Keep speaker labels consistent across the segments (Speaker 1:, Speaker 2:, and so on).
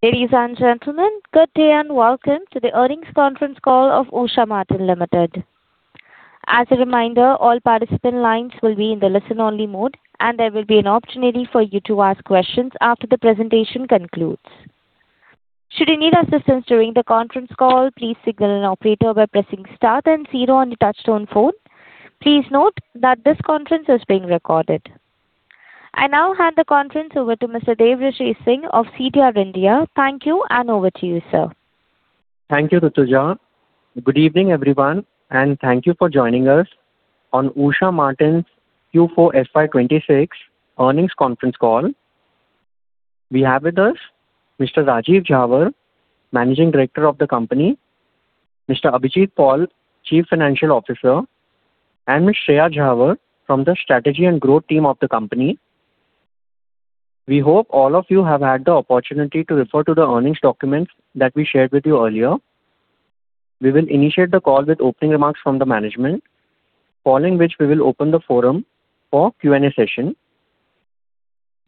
Speaker 1: Ladies and gentlemen, good day and welcome to the earnings conference call of Usha Martin Limited. As a reminder, all participant lines will be in the listen only mode, and there will be an opportunity for you to ask questions after the presentation concludes. Should you need assistance during the conference call, please signal an operator by pressing start and zero on your touchtone phone. Please note that this conference is being recorded. I now hand the conference over to Mr. Devrishi Singh of CDR India. Thank you, and over to you, sir.
Speaker 2: Thank you, Ratuja. Good evening, everyone, and thank you for joining us on Usha Martin's Q4 FY 2026 Earnings Conference Call. We have with us Mr. Rajeev Jhawar, Managing Director of the company, Mr. Abhijit Paul, Chief Financial Officer, and Ms. Shreya Jhawar from the Strategy and Growth team of the company. We hope all of you have had the opportunity to refer to the earnings documents that we shared with you earlier. We will initiate the call with opening remarks from the management, following which we will open the forum for Q&A session.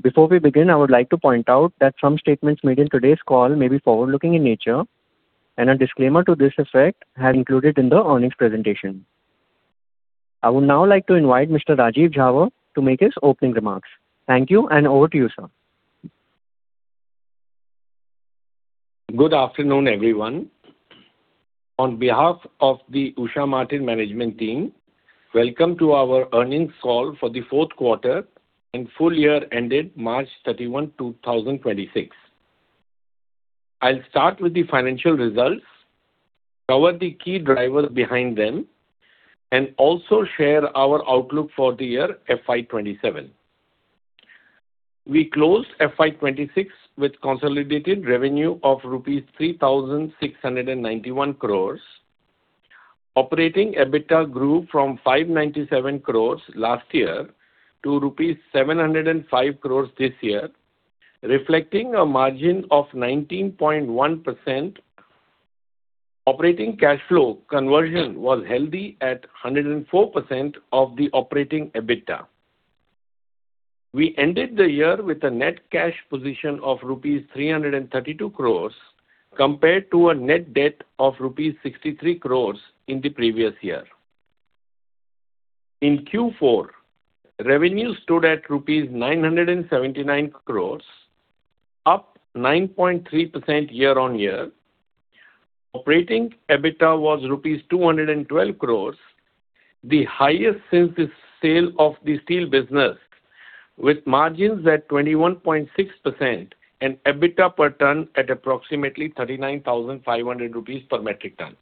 Speaker 2: Before we begin, I would like to point out that some statements made in today's call may be forward-looking in nature, and a disclaimer to this effect has included in the earnings presentation. I would now like to invite Mr. Rajeev Jhawar to make his opening remarks. Thank you, and over to you, sir.
Speaker 3: Good afternoon, everyone. On behalf of the Usha Martin management team, welcome to our earnings call for the fourth quarter and full year ended March 31, 2026. I'll start with the financial results, cover the key drivers behind them, and also share our outlook for the year FY 2027. We closed FY 2026 with consolidated revenue of rupees 3,691 crores. Operating EBITDA grew from 597 crores last year to rupees 705 crores this year, reflecting a margin of 19.1%. Operating cash flow conversion was healthy at 104% of the operating EBITDA. We ended the year with a net cash position of rupees 332 crores compared to a net debt of rupees 63 crores in the previous year. In Q4, revenue stood at rupees 979 crores, up 9.3% year-on-year. Operating EBITDA was rupees 212 crores, the highest since the sale of the steel business, with margins at 21.6% and EBITDA per ton at approximately 39,500 rupees per metric ton.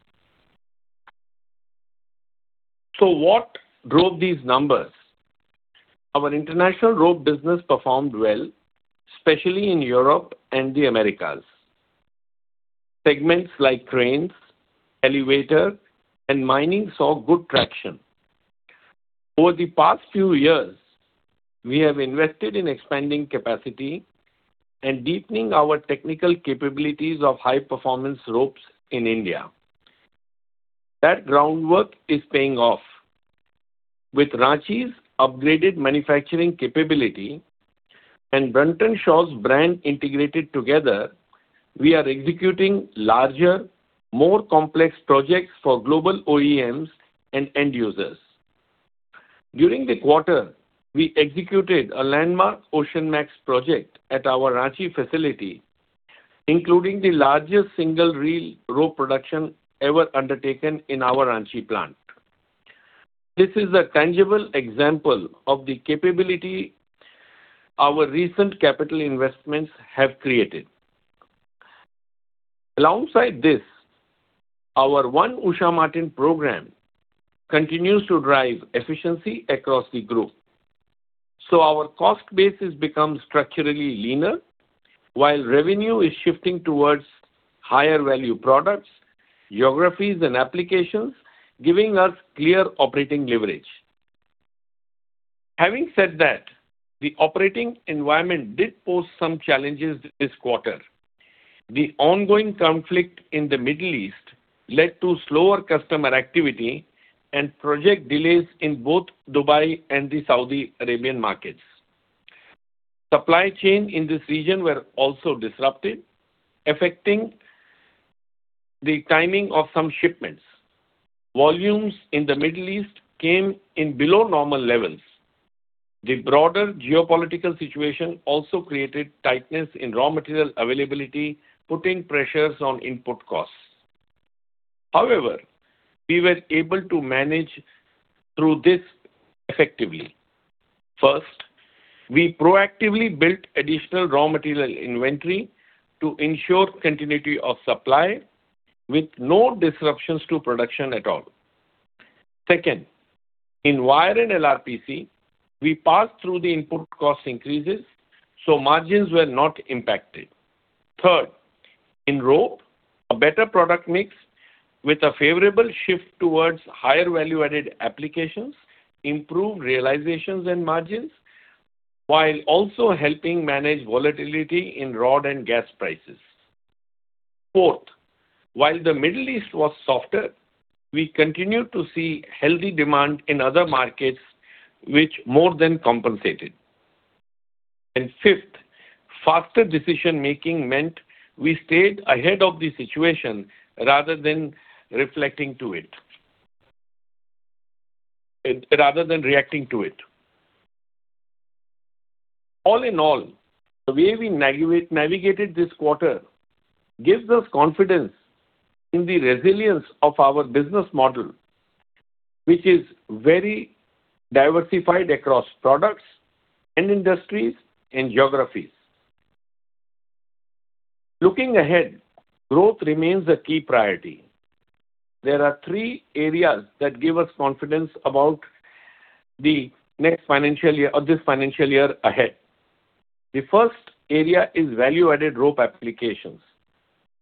Speaker 3: What drove these numbers? Our international rope business performed well, especially in Europe and the Americas. Segments like cranes, elevator, and mining saw good traction. Over the past few years, we have invested in expanding capacity and deepening our technical capabilities of high-performance ropes in India. That groundwork is paying off. With Ranchi's upgraded manufacturing capability and Brunton Shaw's brand integrated together, we are executing larger, more complex projects for global OEMs and end users. During the quarter, we executed a landmark OCEANMAX project at our Ranchi facility, including the largest single reel rope production ever undertaken in our Ranchi plant. This is a tangible example of the capability our recent capital investments have created. Alongside this, our One Usha Martin program continues to drive efficiency across the group. Our cost base has become structurally leaner while revenue is shifting towards higher value products, geographies and applications, giving us clear operating leverage. Having said that, the operating environment did pose some challenges this quarter. The ongoing conflict in the Middle East led to slower customer activity and project delays in both Dubai and the Saudi Arabian markets. Supply chain in this region were also disrupted, affecting the timing of some shipments. Volumes in the Middle East came in below normal levels. The broader geopolitical situation also created tightness in raw material availability, putting pressures on input costs. However, we were able to manage through this effectively. First, we proactively built additional raw material inventory to ensure continuity of supply with no disruptions to production at all. Second, in wire and LRPC, we passed through the input cost increases so margins were not impacted. Third, in rope, a better product mix with a favorable shift towards higher value-added applications, improved realizations and margins, while also helping manage volatility in rod and gas prices. Fourth, while the Middle East was softer, we continued to see healthy demand in other markets which more than compensated. Fifth, faster decision-making meant we stayed ahead of the situation rather than reflecting to it, rather than reacting to it. All in all, the way we navigated this quarter gives us confidence in the resilience of our business model, which is very diversified across products and industries and geographies. Looking ahead, growth remains a key priority. There are three areas that give us confidence about the next financial year or this financial year ahead. The first area is value-added rope applications,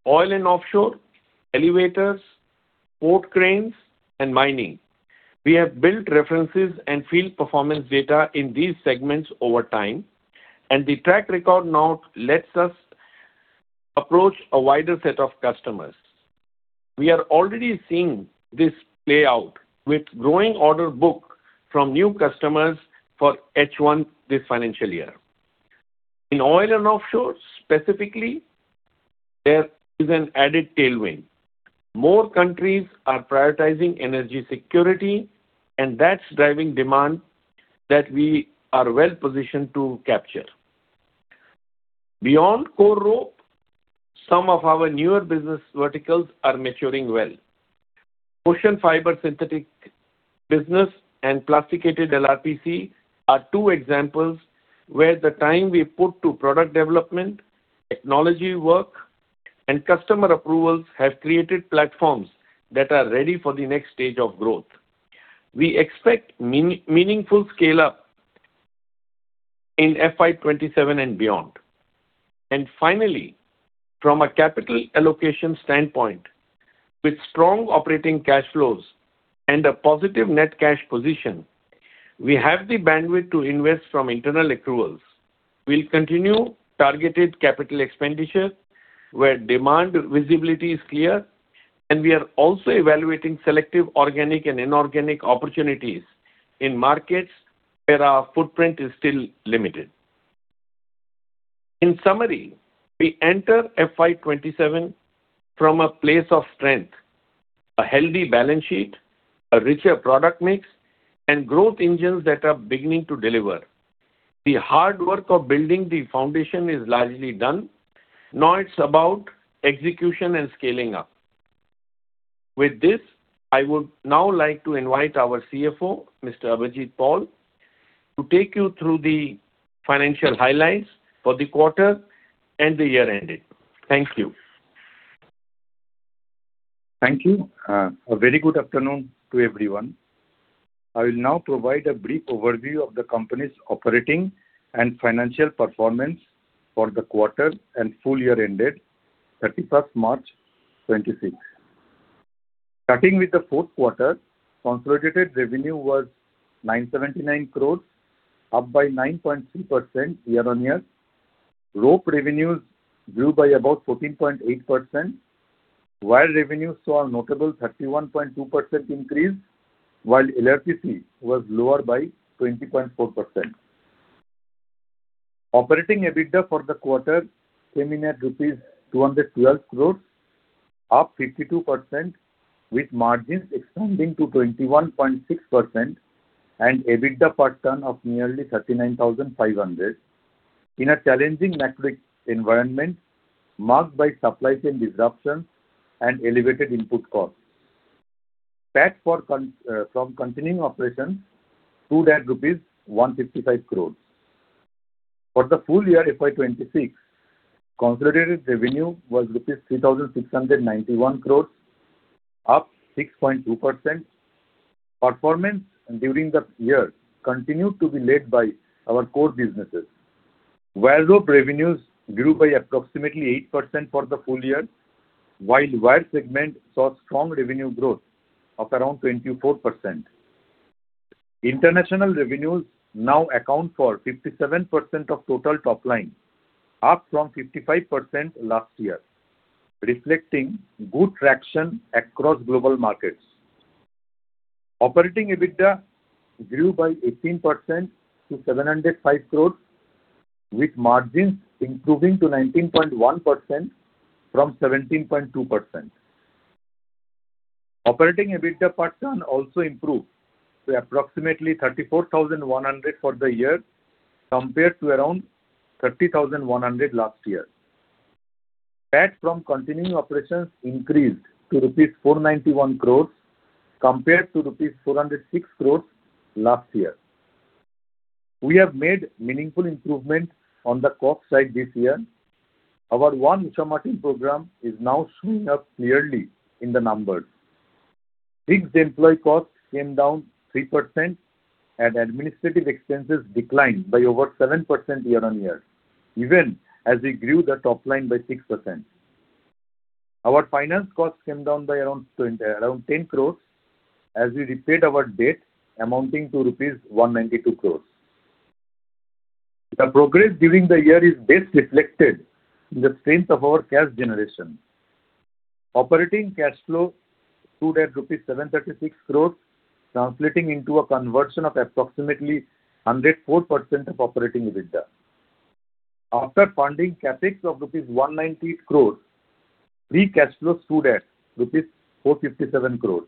Speaker 3: oil and offshore, elevators, port cranes, and mining. We have built references and field performance data in these segments over time, and the track record now lets us approach a wider set of customers. We are already seeing this play out with growing order book from new customers for H1 this financial year. In oil and offshore specifically, there is an added tailwind. More countries are prioritizing energy security, and that's driving demand that we are well-positioned to capture. Beyond core rope, some of our newer business verticals are maturing well. OCEANFIBRE synthetic business and plasticated LRPC are two examples where the time we put to product development, technology work, and customer approvals have created platforms that are ready for the next stage of growth. We expect meaningful scale-up in FY 2027 and beyond. Finally, from a capital allocation standpoint, with strong operating cash flows and a positive net cash position, we have the bandwidth to invest from internal accruals. We'll continue targeted capital expenditure where demand visibility is clear, and we are also evaluating selective organic and inorganic opportunities in markets where our footprint is still limited. In summary, we enter FY 2027 from a place of strength, a healthy balance sheet, a richer product mix, and growth engines that are beginning to deliver. The hard work of building the foundation is largely done. Now it's about execution and scaling up. With this, I would now like to invite our CFO, Mr. Abhijit Paul, to take you through the financial highlights for the quarter and the year ending. Thank you.
Speaker 4: Thank you. A very good afternoon to everyone. I will now provide a brief overview of the company's operating and financial performance for the quarter and full year ended 31st March 2026. Starting with the fourth quarter, consolidated revenue was 979 crores, up by 9.3% year-on-year. Rope revenues grew by about 14.8%, while revenues saw a notable 31.2% increase, while LRPC was lower by 20.4%. Operating EBITDA for the quarter came in at rupees 212 crores, up 52%, with margins expanding to 21.6%, and EBITDA per ton of nearly 39,500 in a challenging matrix environment marked by supply chain disruptions and elevated input costs. PAT from continuing operations stood at rupees 155 crores. For the full year FY 2026, consolidated revenue was rupees 3,691 crores, up 6.2%. Performance during the year continued to be led by our core businesses. Wire Rope revenues grew by approximately 8% for the full year, while wire segment saw strong revenue growth of around 24%. International revenues now account for 57% of total top line, up from 55% last year, reflecting good traction across global markets. Operating EBITDA grew by 18% to 705 crores, with margins improving to 19.1% from 17.2%. Operating EBITDA per ton also improved to approximately 34,100 for the year, compared to around 30,100 last year. PAT from continuing operations increased to rupees 491 crores compared to rupees 406 crores last year. We have made meaningful improvements on the cost side this year. Our One Usha Martin program is now showing up clearly in the numbers. Fixed employee costs came down 3% and administrative expenses declined by over 7% year-on-year, even as we grew the top line by 6%. Our finance costs came down by around 10 crores as we repaid our debt amounting to rupees 192 crores. The progress during the year is best reflected in the strength of our cash generation. Operating cash flow stood at rupees 736 crores, translating into a conversion of approximately 104% of operating EBITDA. After funding CapEx of rupees 190 crores, free cash flow stood at rupees 457 crores.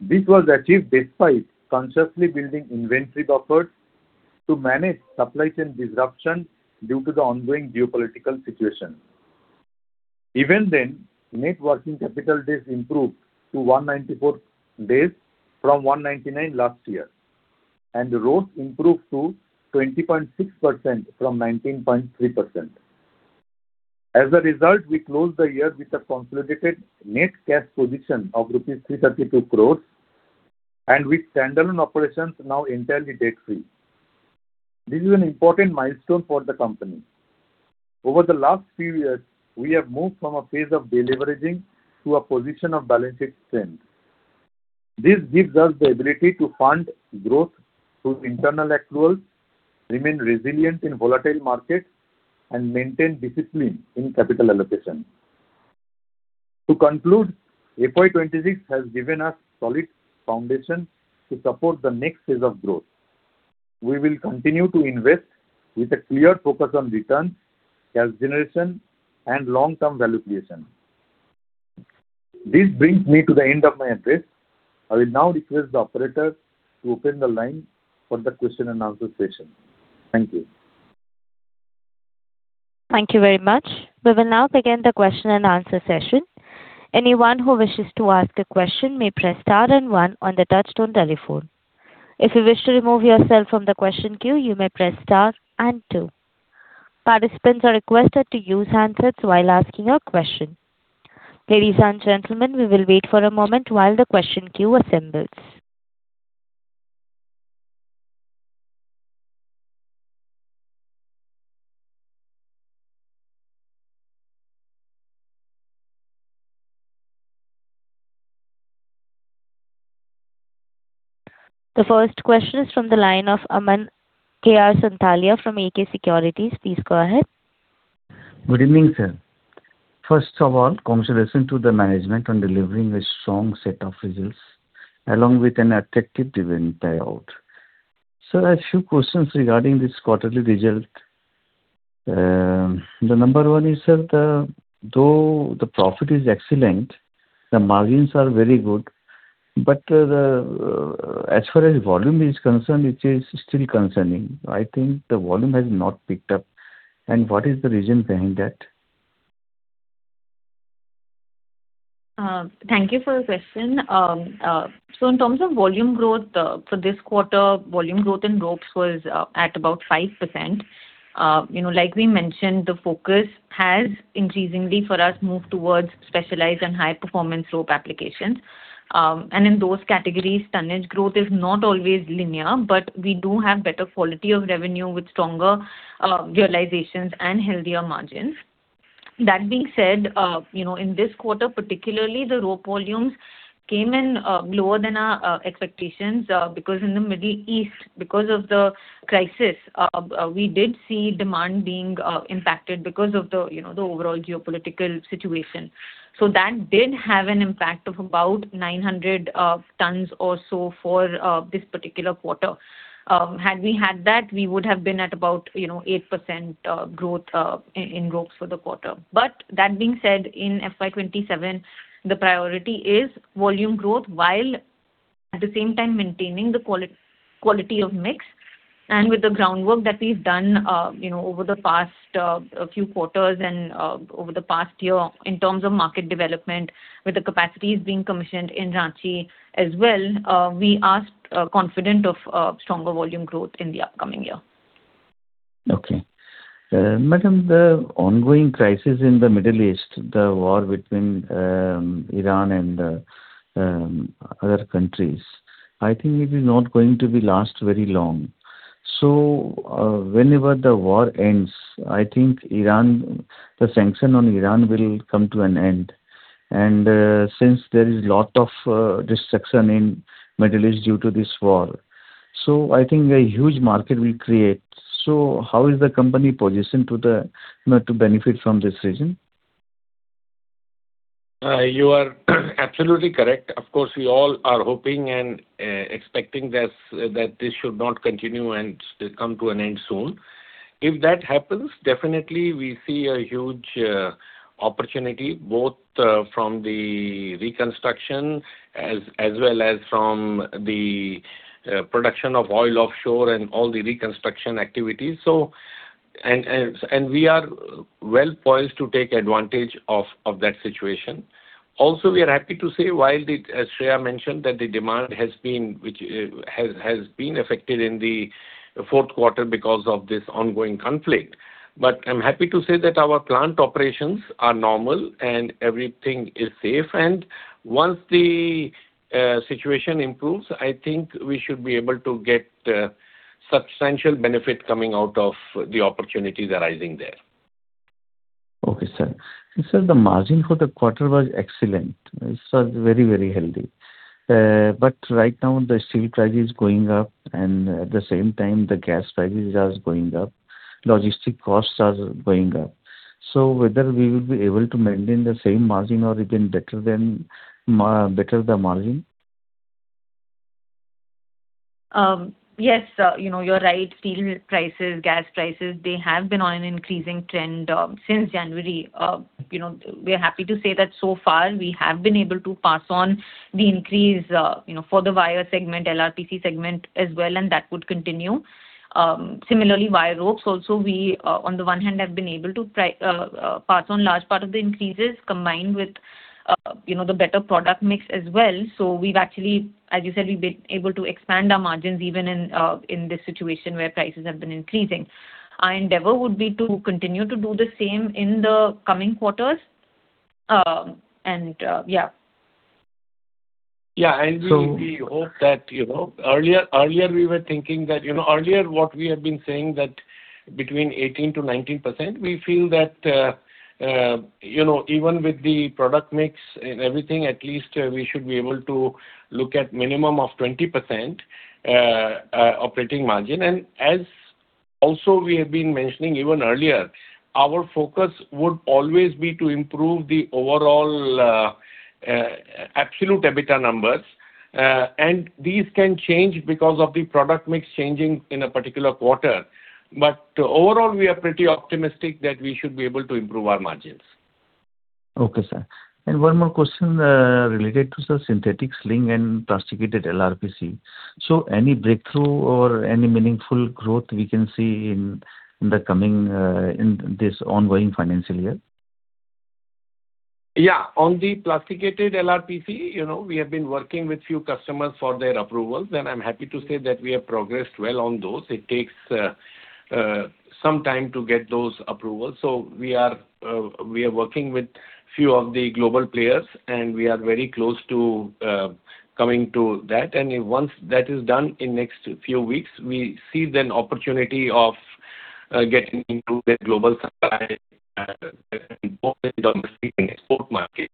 Speaker 4: This was achieved despite consciously building inventory buffers to manage supply chain disruption due to the ongoing geopolitical situation. Even then, net working capital days improved to 194 days from 199 last year, and the growth improved to 20.6% from 19.3%. As a result, we closed the year with a consolidated net cash position of rupees 332 crores and with standalone operations now entirely debt-free. This is an important milestone for the company. Over the last few years, we have moved from a phase of deleveraging to a position of balanced strength. This gives us the ability to fund growth, through internal accruals, remain resilient in volatile markets, and maintain discipline in capital allocation. To conclude, FY 2026 has given us solid foundation to support the next phase of growth. We will continue to invest with a clear focus on return, cash generation, and long-term value creation. This brings me to the end of my address. I will now request the operator to open the line for the question and answer session. Thank you.
Speaker 1: Thank you very much. We will now begin the question and answer session. Anyone who wishes to ask a question may press star and one on the touchtone telephone. If you wish to remove yourself from the question queue, you may press star and two. Participants are requested to use handsets while asking a question. Ladies and gentlemen, we will wait for a moment while the question queue assembles. The first question is from the line of Aman KR Sonthalia from AK Securities. Please go ahead.
Speaker 5: Good evening, sir. First of all, congratulations to the management on delivering a strong set of results along with an attractive dividend payout. Sir, a few questions regarding this quarterly result. The number one is, sir, though the profit is excellent, the margins are very good, but, as far as volume is concerned, it is still concerning. I think the volume has not picked up. What is the reason behind that?
Speaker 6: Thank you for the question. In terms of volume growth, for this quarter, volume growth in ropes was at about 5%. You know, like we mentioned, the focus has increasingly for us moved towards specialized and high performance rope applications. In those categories, tonnage growth is not always linear, but we do have better quality of revenue with stronger realizations and healthier margins. That being said, you know, in this quarter particularly, the rope volumes came in lower than our expectations, because in the Middle East, because of the crisis, we did see demand being impacted because of the, you know, the overall geopolitical situation. That did have an impact of about 900 tons or so for this particular quarter. Had we had that, we would have been at about 8% growth in ropes for the quarter. That being said, in FY 2027, the priority is volume growth while at the same time maintaining the quality of mix. With the groundwork that we've done over the past few quarters, and over the past year in terms of market development, with the capacities being commissioned in Ranchi as well, we are confident of stronger volume growth in the upcoming year.
Speaker 5: Okay. madam, the ongoing crisis in the Middle East, the war between Iran and other countries, I think it is not going to be last very long. Whenever the war ends, I think Iran, the sanction on Iran will come to an end. Since there is lot of destruction in Middle East due to this war, I think a huge market will create. How is the company positioned to the, you know, to benefit from this situation?
Speaker 3: You are absolutely correct. Of course, we all are hoping and expecting this, that this should not continue and come to an end soon. If that happens, definitely we see a huge opportunity both from the reconstruction as well as from the production of oil offshore, and all the reconstruction activities. We are well poised to take advantage of that situation. Also, we are happy to say, while the, as Shreya mentioned, that the demand has been, which has been affected in the fourth quarter because of this ongoing conflict, but I'm happy to say that our plant operations are normal, and everything is safe. Once the situation improves, I think we should be able to get substantial benefit coming out of the opportunities arising there.
Speaker 5: Okay, sir. Sir, the margin for the quarter was excellent. It was very, very healthy. Right now the steel price is going up and at the same time the gas prices are going up, logistic costs are going up. Whether we will be able to maintain the same margin or even better than better the margin?
Speaker 6: Yes, you know, you're right. Steel prices, gas prices, they have been on an increasing trend since January. You know, we are happy to say that so far we have been able to pass on the increase, you know, for the wire segment, LRPC segment as well, and that would continue. Similarly, Wire Ropes also, we on the one hand have been able to pass on large part of the increases combined with, you know, the better product mix as well. We've actually, as you said, we've been able to expand our margins even in this situation where prices have been increasing. Our endeavor would be to continue to do the same in the coming quarters.
Speaker 3: Yeah.
Speaker 5: So-
Speaker 4: We hope that, you know, earlier we were thinking that, you know, earlier what we have been saying that between 18%-19%, we feel that, you know, even with the product mix and everything, at least, we should be able to look at minimum of 20% operating margin. As also we have been mentioning even earlier, our focus would always be to improve the overall absolute EBITDA numbers. These can change because of the product mix changing in a particular quarter. Overall, we are pretty optimistic that we should be able to improve our margins.
Speaker 5: Okay, sir. One more question related to the synthetic sling and plasticated LRPC. Any breakthrough or any meaningful growth we can see in the coming, this ongoing financial year?
Speaker 3: Yeah. On the plasticated LRPC, you know, we have been working with few customers for their approvals, and I am happy to say that we have progressed well on those. It takes some time to get those approvals. We are working with few of the global players, and we are very close to coming to that. Once that is done in next few weeks, we see then opportunity of getting into the global supply export market.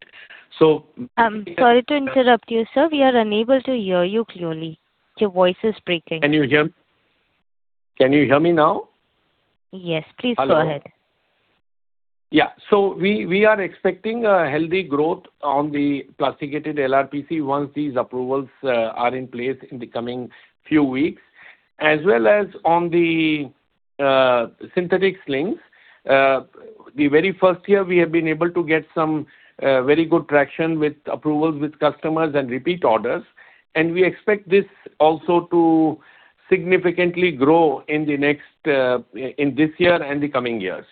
Speaker 1: Sorry to interrupt you, sir. We are unable to hear you clearly. Your voice is breaking.
Speaker 3: Can you hear? Can you hear me now?
Speaker 1: Yes, please go ahead.
Speaker 3: Hello. Yeah. We are expecting a healthy growth on the plasticated LRPC once these approvals are in place in the coming few weeks. As well as on the synthetic slings. The very first year we have been able to get some very good traction with approvals with customers and repeat orders, and we expect this also to significantly grow in the next in this year and the coming years.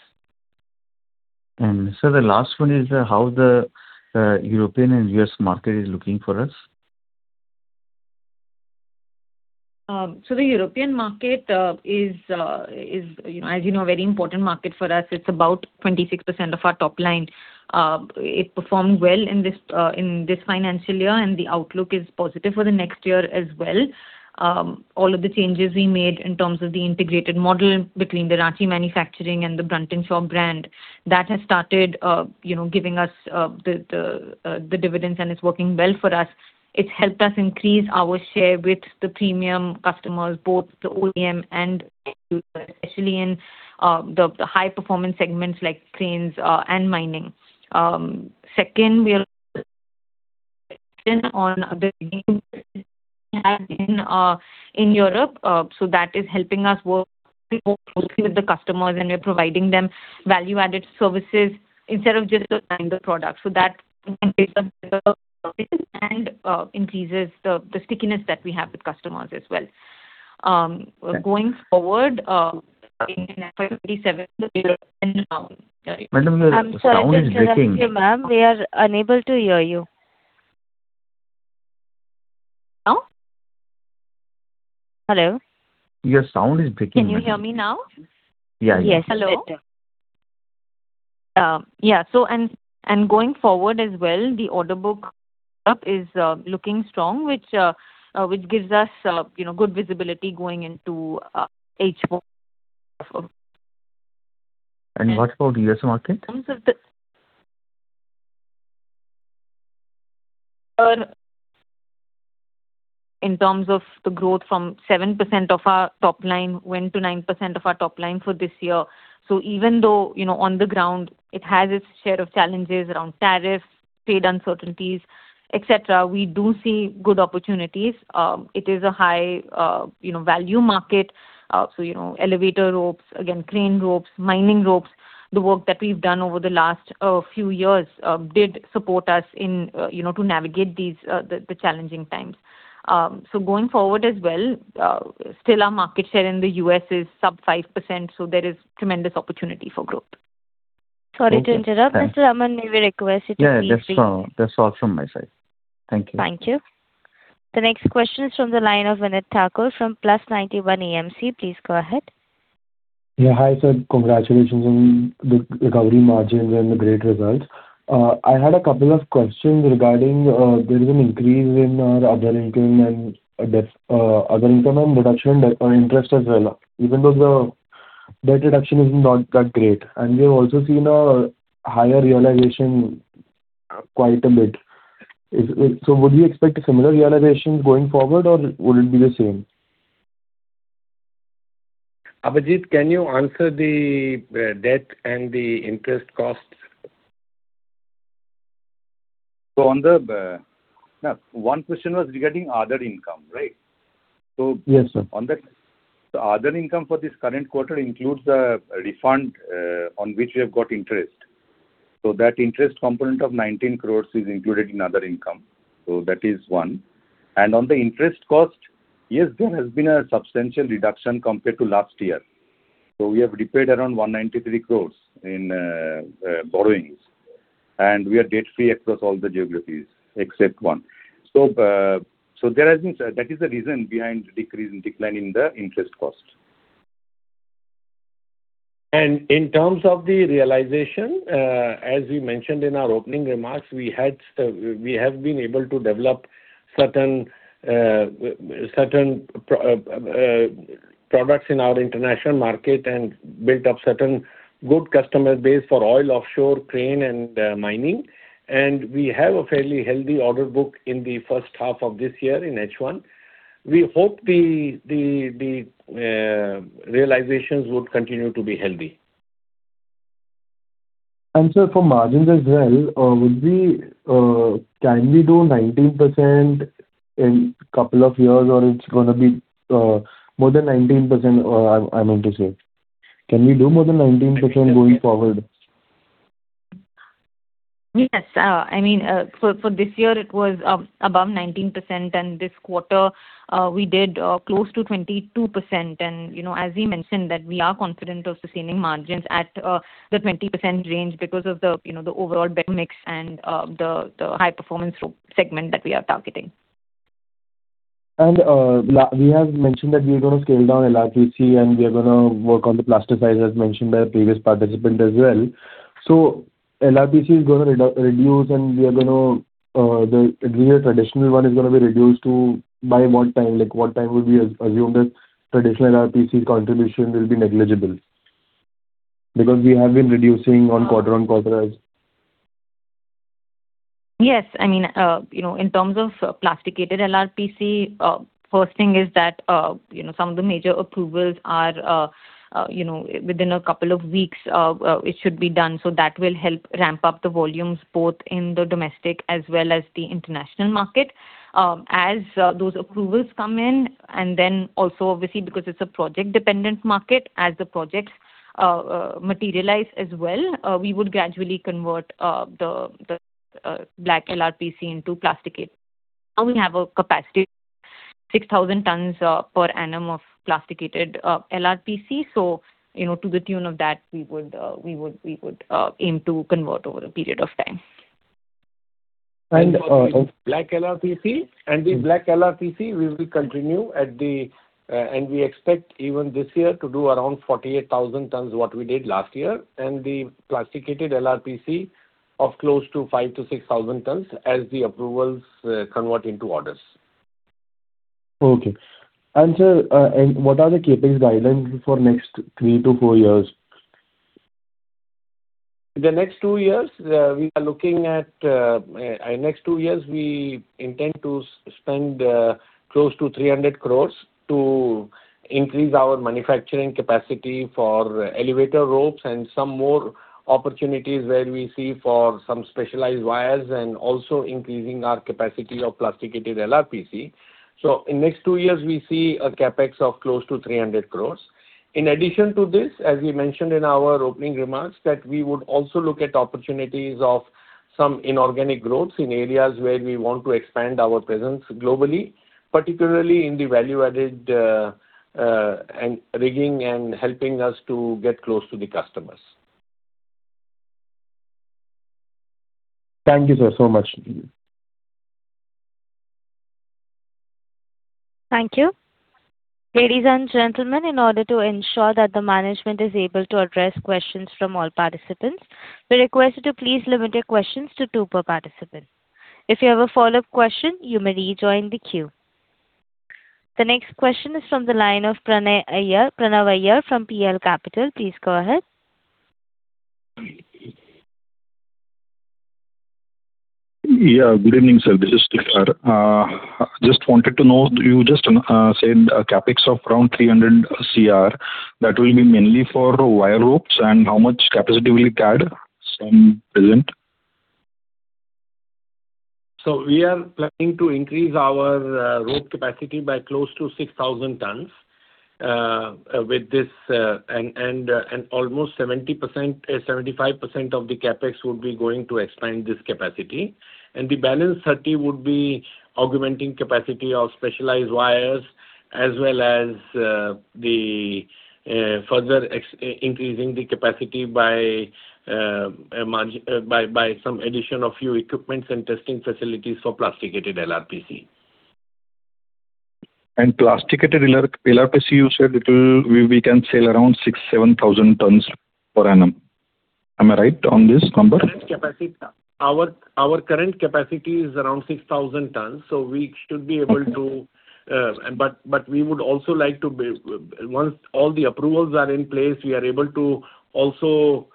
Speaker 5: Sir, the last one is, how the European and U.S. market is looking for us?
Speaker 6: The European market is a very important market for us. It's about 26% of our top line. It performed well in this financial year, and the outlook is positive for the next year as well. All of the changes we made in terms of the integrated model between the Ranchi manufacturing and the Brunton Shaw brand, that has started giving us the dividends, and it's working well for us. It's helped us increase our share with the premium customers, both the OEM and especially in the high performance segments like cranes and mining. Second, we are in Europe. That is helping us work more closely with the customers, and we're providing them value-added services instead of just supplying the product. That increases the stickiness that we have with customers as well. Going forward.
Speaker 5: Madam, your sound is breaking.
Speaker 1: I'm sorry to interrupt you, ma'am. We are unable to hear you.
Speaker 6: Hello? Hello.
Speaker 5: Your sound is breaking, madam.
Speaker 6: Can you hear me now?
Speaker 5: Yeah, yeah.
Speaker 1: Yes. We can.
Speaker 6: Hello. Yeah. Going forward as well, the order book is looking strong, which gives us, you know, good visibility going into.
Speaker 5: What about U.S. market?
Speaker 6: In terms of the growth from 7% of our top line went to 9% of our top line for this year. Even though, you know, on the ground it has its share of challenges around tariffs, trade uncertainties, et cetera, we do see good opportunities. It is a high, you know, value market. You know, elevator ropes, again, crane ropes, mining ropes. The work that we've done over the last few years did support us in, you know, to navigate these the challenging times. Going forward as well, still our market share in the U.S. is sub 5%, so there is tremendous opportunity for growth.
Speaker 1: Sorry to interrupt.
Speaker 5: Okay. Thanks.
Speaker 1: Mr. Aman, may we request you to please be-.
Speaker 5: That's all from my side. Thank you.
Speaker 1: Thank you. The next question is from the line of Vinit Thakur from Plus91 AMC. Please go ahead.
Speaker 7: Yeah. Hi, sir. Congratulations on the recovery margins and the great results. I had a couple of questions regarding there is an increase in other income and deduction, interest as well, even though the debt reduction is not that great. We've also seen a higher realization, quite a bit. Would you expect a similar realization going forward or will it be the same?
Speaker 3: Abhijit, can you answer the debt and the interest costs?
Speaker 4: On the, one question was regarding other income, right?
Speaker 7: Yes, sir.
Speaker 4: The other income for this current quarter includes the refund, on which we have got interest. That interest component of 19 crores is included in other income. That is one. On the interest cost, yes, there has been a substantial reduction compared to last year. We have repaid around 193 crores in borrowings, and we are debt-free across all the geographies except one. That is the reason behind the decrease and decline in the interest cost.
Speaker 3: In terms of the realization, as we mentioned in our opening remarks, we had, we have been able to develop certain products in our international market, and built up certain good customer base for oil offshore, crane and mining. We have a fairly healthy order book in the first half of this year in H1. We hope the realizations would continue to be healthy.
Speaker 7: Sir, for margins as well, can we do 19% in couple of years or it's gonna be more than 19%? I meant to say can we do more than 19% going forward?
Speaker 6: Yes. I mean, for this year it was above 19%, and this quarter, we did close to 22%. You know, as we mentioned that we are confident of sustaining margins at the 20% range because of the, you know, the overall better mix and the high performance rope segment that we are targeting.
Speaker 7: We have mentioned that we are gonna scale down LRPC and we are gonna work on the plasticized, as mentioned by the previous participant as well. LRPC is gonna reduce and we are gonna, the traditional one is gonna be reduced to by what time? Like, what time would be assumed as traditional LRPC contribution will be negligible? We have been reducing on quarter on quarter.
Speaker 6: Yes. I mean, in terms of plasticated LRPC, first thing is that some of the major approvals are within a couple of weeks, it should be done. That will help ramp up the volumes both in the domestic as well as the international market. As those approvals come in, and then also obviously because it's a project dependent market, as the projects materialize as well, we would gradually convert the black LRPC into plasticated. Now, we have a capacity 6,000 tons per annum of plasticated LRPC. To the tune of that we would aim to convert over a period of time.
Speaker 7: And, uh-
Speaker 3: Black LRPC. The black LRPC we will continue. We expect even this year to do around 48,000 tons what we did last year. The plasticated LRPC of close to 5,000-6,000 tons as the approvals convert into orders.
Speaker 7: Okay. sir, and what are the CapEx guidelines for next 3 years-4 years?
Speaker 3: The next two years, we are looking at, next two years we intend to spend close to 300 crores to increase our manufacturing capacity for elevator ropes and some more opportunities where we see for some specialized wires, and also increasing our capacity of plasticated LRPC. In next two years, we see a CapEx of close to 300 crores. In addition to this, as we mentioned in our opening remarks, that we would also look at opportunities of some inorganic growth in areas where we want to expand our presence globally, particularly in the value-added, and rigging and helping us to get close to the customers.
Speaker 7: Thank you, sir, so much.
Speaker 1: Thank you. Ladies and gentlemen, in order to ensure that the management is able to address questions from all participants, we request you to please limit your questions to two per participant. If you have a follow-up question, you may rejoin the queue. The next question is from the line of Pranav Iyer from PL Capital. Please go ahead.
Speaker 8: Yeah. Good evening, sir, this is just wanted to know, you just said a CapEx of around 300 CR. That will be mainly for Wire Ropes and how much capacity will it add from present?
Speaker 4: We are planning to increase our rope capacity by close to 6,000 tons with this, and almost 70%, 75% of the CapEx would be going to expand this capacity. The balance 30% would be augmenting capacity of specialized wires as well as the further increasing the capacity by some addition of few equipments and testing facilities for plasticated LRPC.
Speaker 8: Plasticated LRPC, you said, we can sell around 6,000 tons-7,000 tons per annum. Am I right on this number?
Speaker 3: Current capacity. Our current capacity is around 6,000 tons. So we should be able to, but we would also like to be, once all the approvals are in place, we are able to also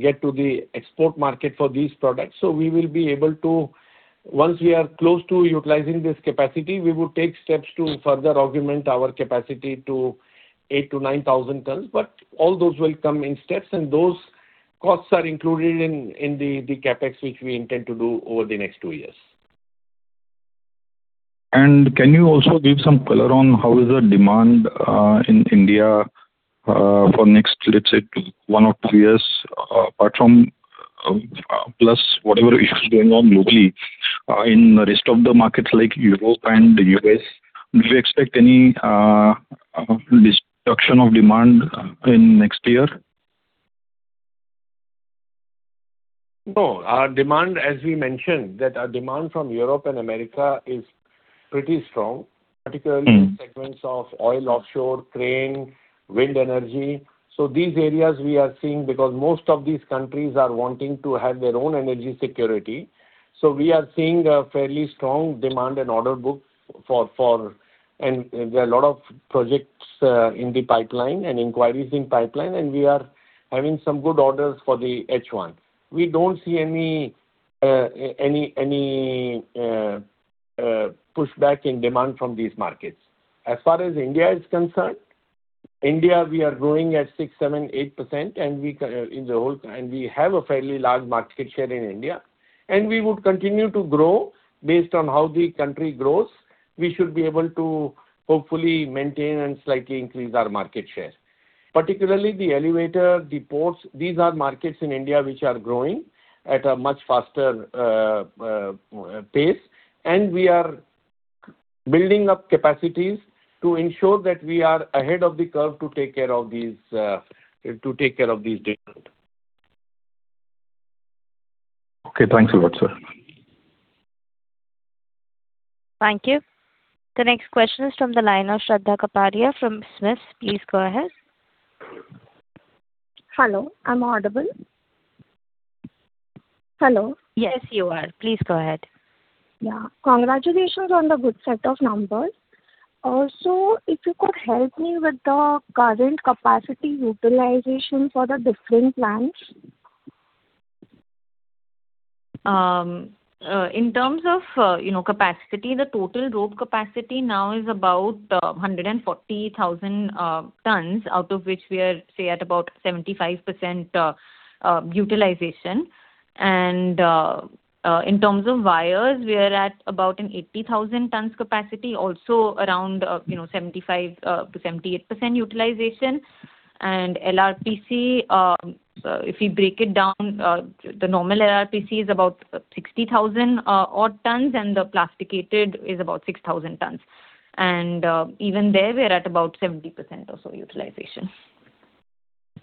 Speaker 3: get to the export market for these products. So we will be able to, once we are close to utilizing this capacity, we would take steps to further augment our capacity to 8,000 tons-9,000 tons. All those will come in steps, and those costs are included in the CapEx which we intend to do over the next two years.
Speaker 8: Can you also give some color on how is the demand in India for next, let's say, one or two years, apart from plus whatever is going on globally? In the rest of the markets like Europe and the U.S., do you expect any disruption of demand in next year?
Speaker 3: No. Our demand, as we mentioned, that our demand from Europe and America is pretty strong.
Speaker 8: Mm-hmm.
Speaker 3: Particularly in segments of oil offshore, crane, wind energy. These areas we are seeing because most of these countries are wanting to have their own energy security. We are seeing a fairly strong demand and order book. There are a lot of projects in the pipeline and inquiries in pipeline, and we are having some good orders for the H1. We don't see any pushback in demand from these markets. As far as India is concerned, India, we are growing at 6%, 7%, 8%. We have a fairly large market share in India. We will continue to grow based on how the country grows. We should be able to hopefully maintain, and slightly increase our market share. Particularly the elevator, the ports, these are markets in India which are growing at a much faster pace. We are building up capacities to ensure that we are ahead of the curve to take care of these, to take care of these demands.
Speaker 8: Okay. Thanks a lot, sir.
Speaker 1: Thank you. The next question is from the line of Shraddha Kapadia from SMIFS. Please go ahead.
Speaker 9: Hello. Am I audible? Hello?
Speaker 1: Yes, you are. Please go ahead.
Speaker 9: Yeah. Congratulations on the good set of numbers. Also, if you could help me with the current capacity utilization for the different plants.
Speaker 6: In terms of, you know, capacity, the total rope capacity now is about 140,000 tons, out of which we are, say, at about 75% utilization. In terms of wires, we are at about an 80,000 tons capacity, also around, you know, 75%-78% utilization. LRPC, if you break it down, the normal LRPC is about 60,000 odd tons, and the plasticated is about 6,000 tons. Even there, we're at about 70% or so utilization.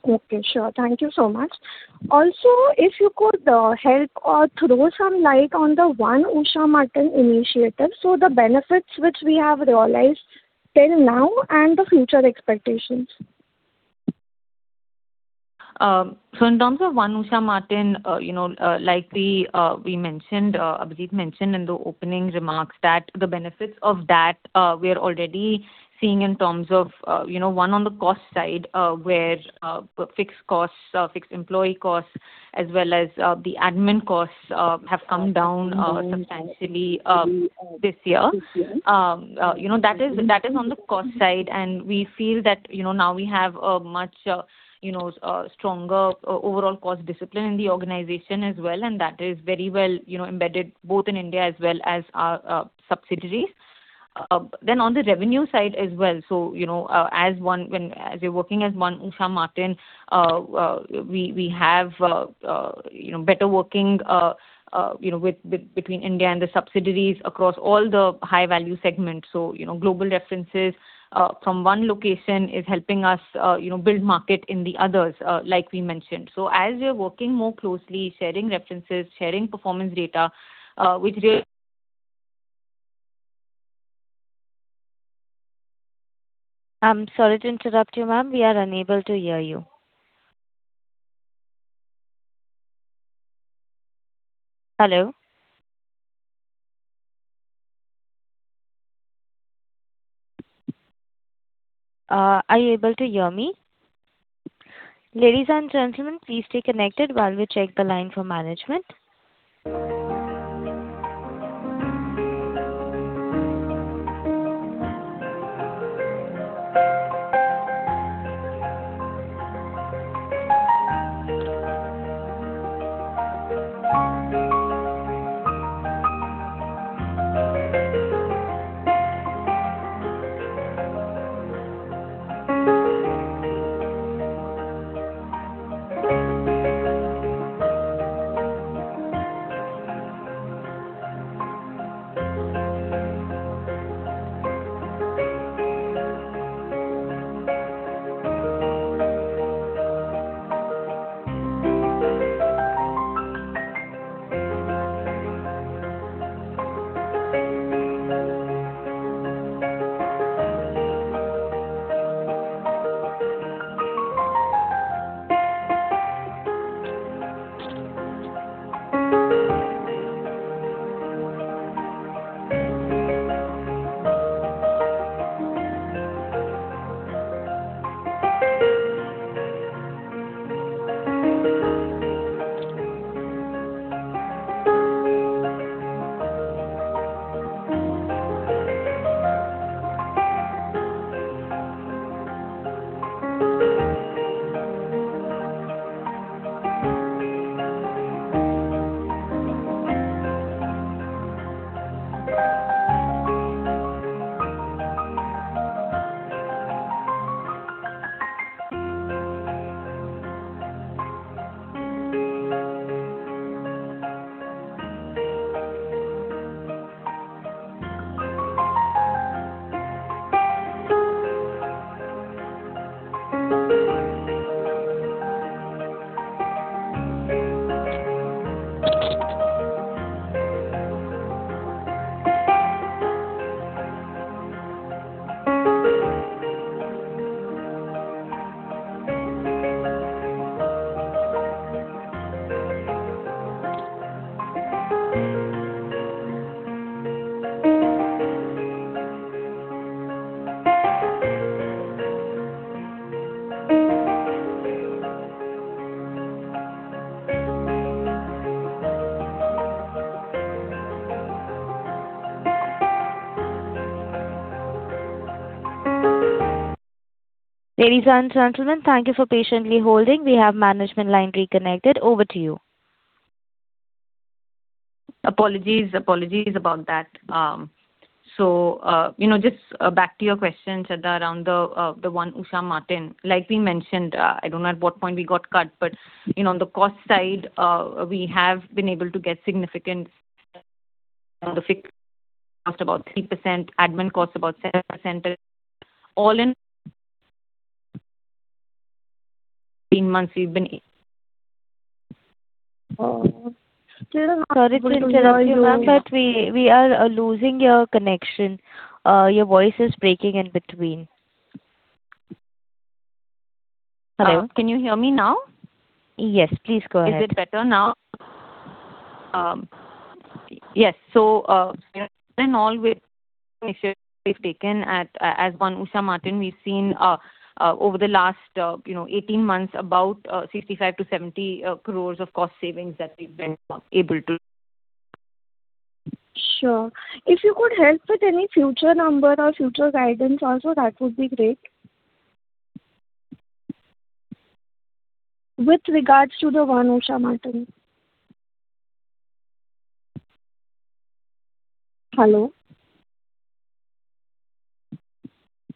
Speaker 9: Okay. Sure. Thank you so much. If you could help or throw some light on the One Usha Martin initiative. The benefits which we have realized till now and the future expectations.
Speaker 6: In terms of One Usha Martin, you know, like we mentioned, Abhijit mentioned in the opening remarks that the benefits of that, we are already seeing in terms of, you know, one, on the cost side, where fixed costs, fixed employee costs, as well as the admin costs, have come down substantially this year. You know, that is on the cost side. We feel that, you know, now we have a much, you know, stronger overall cost discipline in the organization as well, and that is very well, you know, embedded both in India as well as our subsidiaries. On the revenue side as well. You know, as one. As we're working as One Usha Martin, we have, you know, better working, you know, with between India and the subsidiaries across all the high value segments. You know, global references from one location is helping us, you know, build market in the others, like we mentioned. As we are working more closely, sharing references, sharing performance data, which
Speaker 1: I'm sorry to interrupt you, ma'am. We are unable to hear you. Hello? Are you able to hear me? Ladies and gentlemen, please stay connected while we check the line for management. Hello.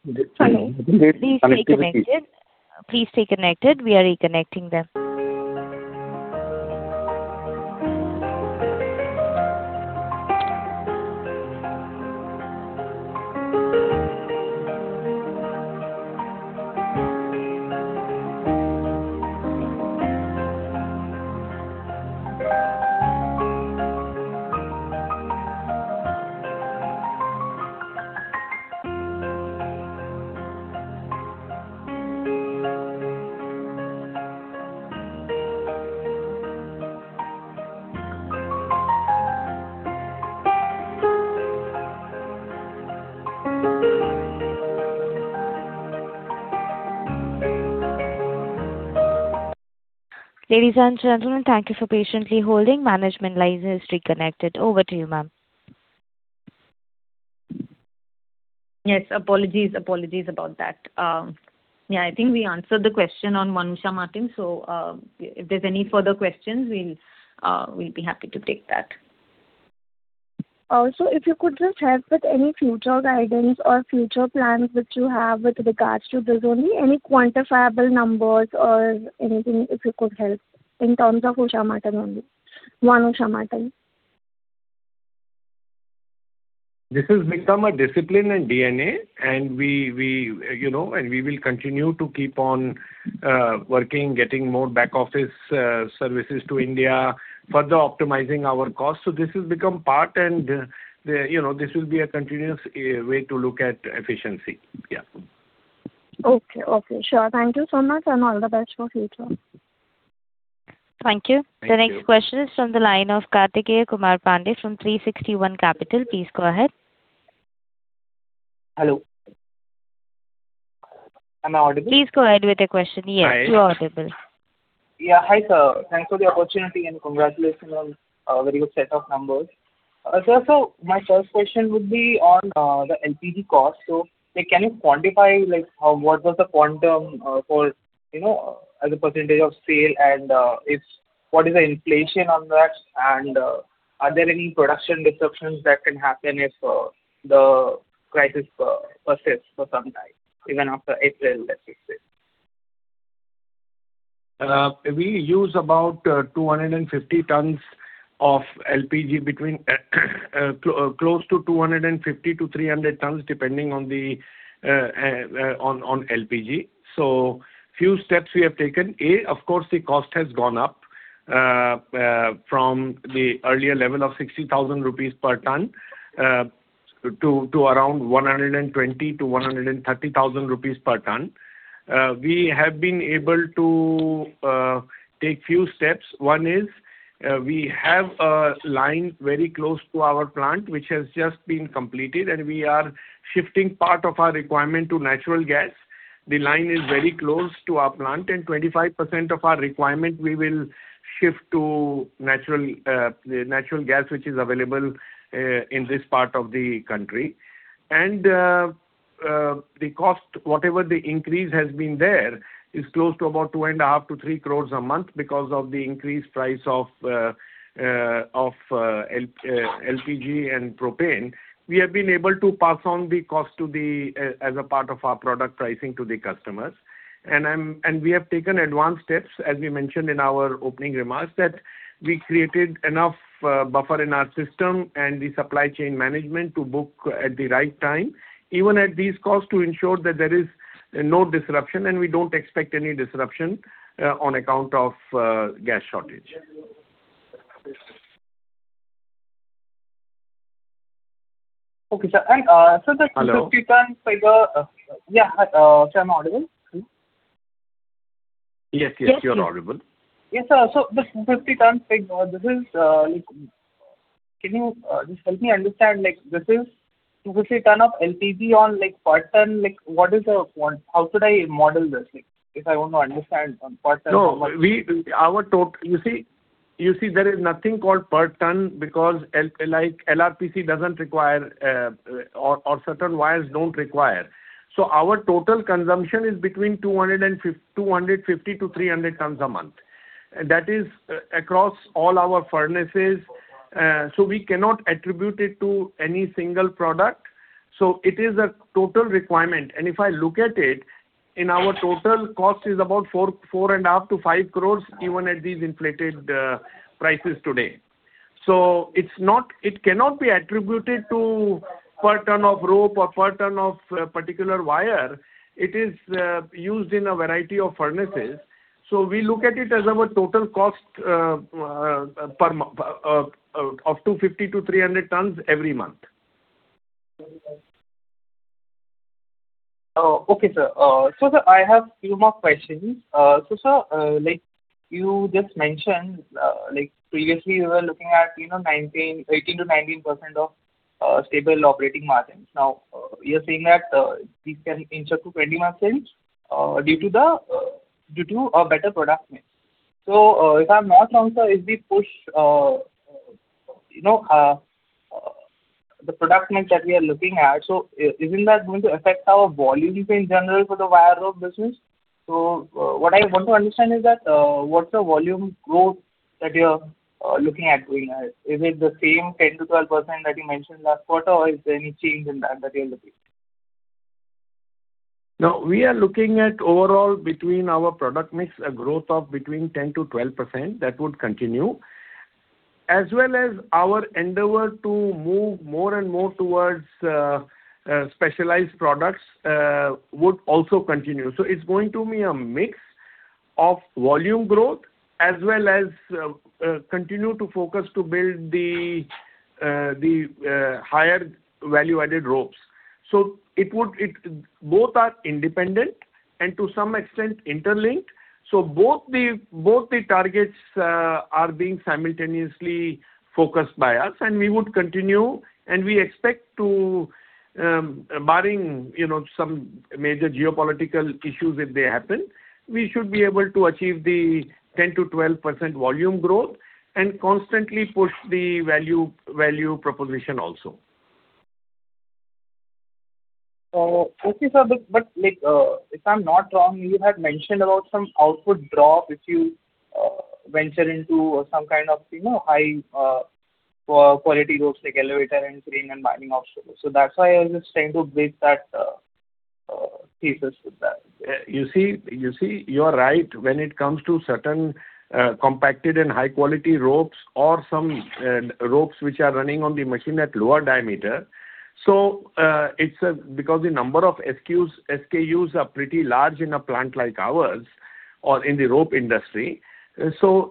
Speaker 1: Please stay connected. Please stay connected. We are reconnecting them. Ladies and gentlemen, thank you for patiently holding. Management line is reconnected. Over to you, ma'am.
Speaker 6: Yes. Apologies. Apologies about that. Yeah, I think we answered the question One Usha Martin. If there's any further questions, we'll be happy to take that.
Speaker 9: Also, if you could just help with any future guidance or future plans which you have with regards to business. Any quantifiable numbers or anything, if you could help in terms of Usha Martin only, One Usha Martin.
Speaker 3: This has become a discipline and DNA, and we, you know, and we will continue to keep on working, getting more back office services to India, further optimizing our costs. This has become part and, you know, this will be a continuous way to look at efficiency. Yeah.
Speaker 9: Okay. Okay. Sure. Thank you so much, and all the best for future.
Speaker 1: Thank you.
Speaker 3: Thank you.
Speaker 1: The next question is from the line of Kartikeya Kumar Pandey from 360 ONE Capital. Please go ahead.
Speaker 10: Hello. Am I audible?
Speaker 1: Please go ahead with your question. Yes, you're audible.
Speaker 10: Yeah. Hi, sir. Thanks for the opportunity and congratulations on a very good set of numbers. Sir, so my first question would be on the LPG cost. Like, can you quantify, like, what was the quantum, for, you know, as a percentage of sale? What is the inflation on that? Are there any production disruptions that can happen if the crisis persists for some time, even after April, let's say?
Speaker 3: We use about 250 tons of LPG, close to 250 tons-300 tons, depending on LPG. Few steps we have taken. Yeah, of course, the cost has gone up from the earlier level of 60,000 rupees per ton to around 120,000-130,000 rupees per ton. We have been able to take few steps. One is, we have a line very close to our plant which has just been completed, and we are shifting part of our requirement to natural gas. The line is very close to our plant, and 25% of our requirement we will shift to natural gas which is available in this part of the country. The cost, whatever the increase has been there is close to about 2.5 crore-3 crore a month because of the increased price of LPG and propane. We have been able to pass on the cost to the as a part of our product pricing to the customers. We have taken advanced steps, as we mentioned in our opening remarks, that we created enough buffer in our system and the supply chain management to book at the right time, even at these costs, to ensure that there is no disruption, and we don't expect any disruption on account of gas shortage.
Speaker 10: Okay, sir.
Speaker 3: Hello.
Speaker 10: 50 tons favor. Yeah. Sir, I'm audible?
Speaker 3: Yes, yes. You are audible.
Speaker 10: Yes, sir. Does 50 tons. Can you just help me understand, like, this is? If we turn off LPG on, like, per ton, like, what is the, how should I model this, like, if I want to understand on per ton?
Speaker 3: No, You see, there is nothing called per ton because LRPC doesn't require, or certain wires don't require. Our total consumption is between 250 tons-300 tons a month. That is across all our furnaces. We cannot attribute it to any single product. It is a total requirement. If I look at it, in our total cost is about 4.5 crores-5 crores even at these inflated prices today. It cannot be attributed to per ton of rope or per ton of particular wire. It is used in a variety of furnaces. We look at it as our total cost, of 250 tons-300 tons every month.
Speaker 10: Okay, sir. Sir, I have few more questions. Sir, like you just mentioned, like previously you were looking at, you know, 18%-19% of stable operating margins. Now, you're saying that, we can inch up to 20% margins EBITDA, due to a better product mix. If I'm not wrong, sir, if we push, you know, the product mix that we are looking at, so isn't that going to affect our volumes in general for the wire rope business? What I want to understand is that, what's the volume growth that you're looking at going ahead? Is it the same 10%-12% that you mentioned last quarter, or is there any change in that you're looking?
Speaker 3: No. We are looking at overall between our product mix, a growth of between 10%-12%. That would continue. As well as our endeavor to move more and more towards specialized products would also continue. It's going to be a mix of volume growth as well as continue to focus to build the higher value-added ropes. Both are independent and to some extent interlinked. Both the targets are being simultaneously focused by us, and we would continue. We expect to, barring, you know, some major geopolitical issues if they happen, we should be able to achieve the 10%-12% volume growth, and constantly push the value proposition also.
Speaker 10: Okay, sir. Like, if I'm not wrong, you had mentioned about some output drop if you venture into some kind of, you know, high, quality ropes like elevator and crane and mining offshore ropes. That's why I was just trying to bridge that, thesis with that.
Speaker 3: You see, you see, you are right. When it comes to certain compacted and high quality ropes or some ropes which are running on the machine at lower diameter, it's because the number of SKUs are pretty large in a plant like ours or in the rope industry.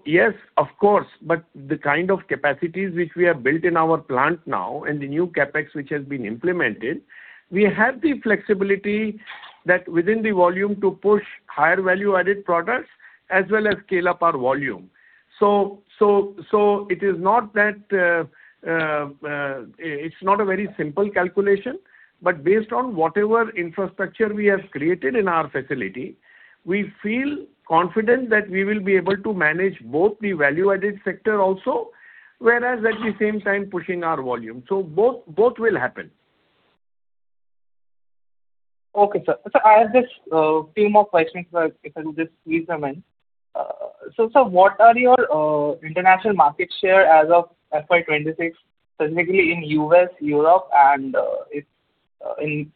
Speaker 3: Yes, of course, but the kind of capacities which we have built in our plant now, and the new CapEx which has been implemented, we have the flexibility that within the volume to push higher value-added products as well as scale up our volume. It is not that. It's not a very simple calculation. Based on whatever infrastructure we have created in our facility, we feel confident that we will be able to manage both the value-added sector also, whereas at the same time pushing our volume. Both will happen.
Speaker 10: Okay, sir. I have just few more questions, sir, if I'll just squeeze them in. Sir, what are your international market share as of FY 2026, specifically in U.S., Europe and, if, in,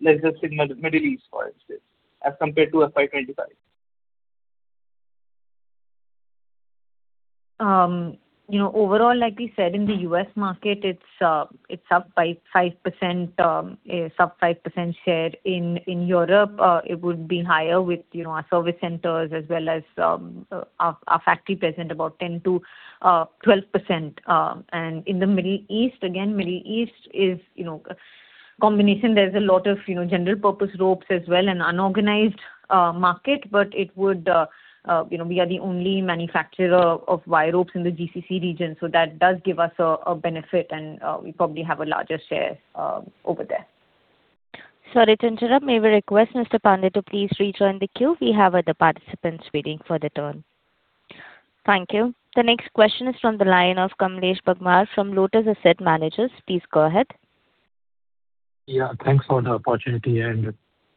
Speaker 10: let's just say Middle East, for instance, as compared to FY 2025?
Speaker 6: You know, overall, like we said, in the U.S. market, it's up by 5%, sub 5% share. In Europe, it would be higher with, you know, our service centers as well as our factory present about 10-12%. And in the Middle East, again, Middle East is, you know, combination, there's a lot of, you know, general purposes ropes as well, an unorganized market, but it would, you know, we are the only manufacturer of wire ropes in the GCC region, so that does give us a benefit and we probably have a larger share over there.
Speaker 1: Sorry to interrupt. May we request Mr. Pandey to please rejoin the queue. We have other participants waiting for their turn. Thank you. The next question is from the line of Kamlesh Bagmar from Lotus Asset Managers. Please go ahead.
Speaker 11: Yeah, thanks for the opportunity.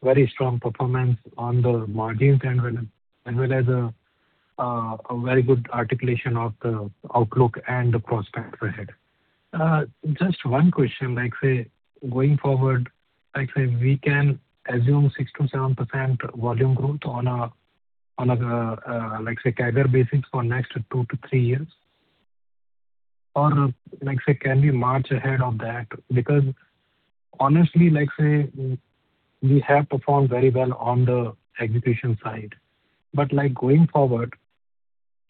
Speaker 11: Very strong performance on the margins and realize a very good articulation of the outlook and the prospects ahead. Just one question. Like, say, going forward, like, say, we can assume 6%-7% volume growth on a like, say, CAGR basis for next 2 years-3 years? Like, say, can we march ahead of that? Honestly, like, say, we have performed very well on the execution side. Like going forward,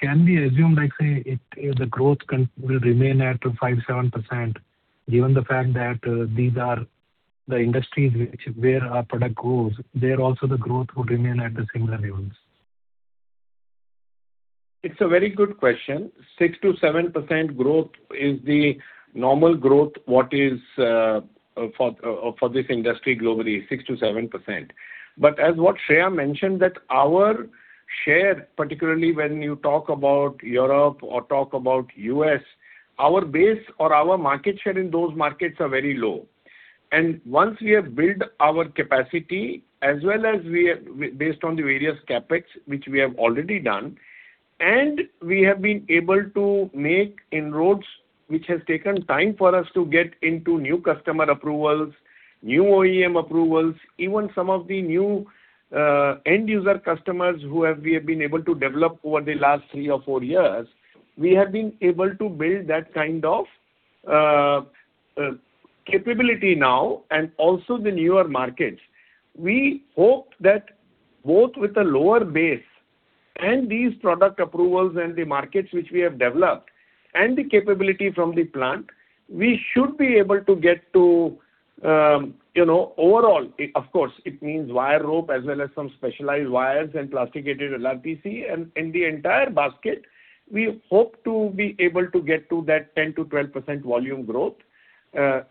Speaker 11: can we assume, like, say, it, the growth will remain at 5%, 7%, given the fact that these are the industries which, where our product goes, there also the growth would remain at the similar levels.
Speaker 3: It's a very good question. 6%-7% growth is the normal growth, what is for this industry globally, 6%-7%. As what Shreya mentioned, that our share, particularly when you talk about Europe or talk about U.S., our base or our market share in those markets are very low. Once we have built our capacity, as well as based on the various CapEx which we have already done, and we have been able to make inroads, which has taken time for us to get into new customer approvals, new OEM approvals, even some of the new end user customers we have been able to develop over the last three or four years, we have been able to build that kind of capability now and also the newer markets. We hope that both with a lower base and these product approvals and the markets which we have developed and the capability from the plant, we should be able to get to, you know, overall. Of course, it means Wire Rope as well as some specialized wires and plasticated LRPC. In the entire basket, we hope to be able to get to that 10%-12% volume growth,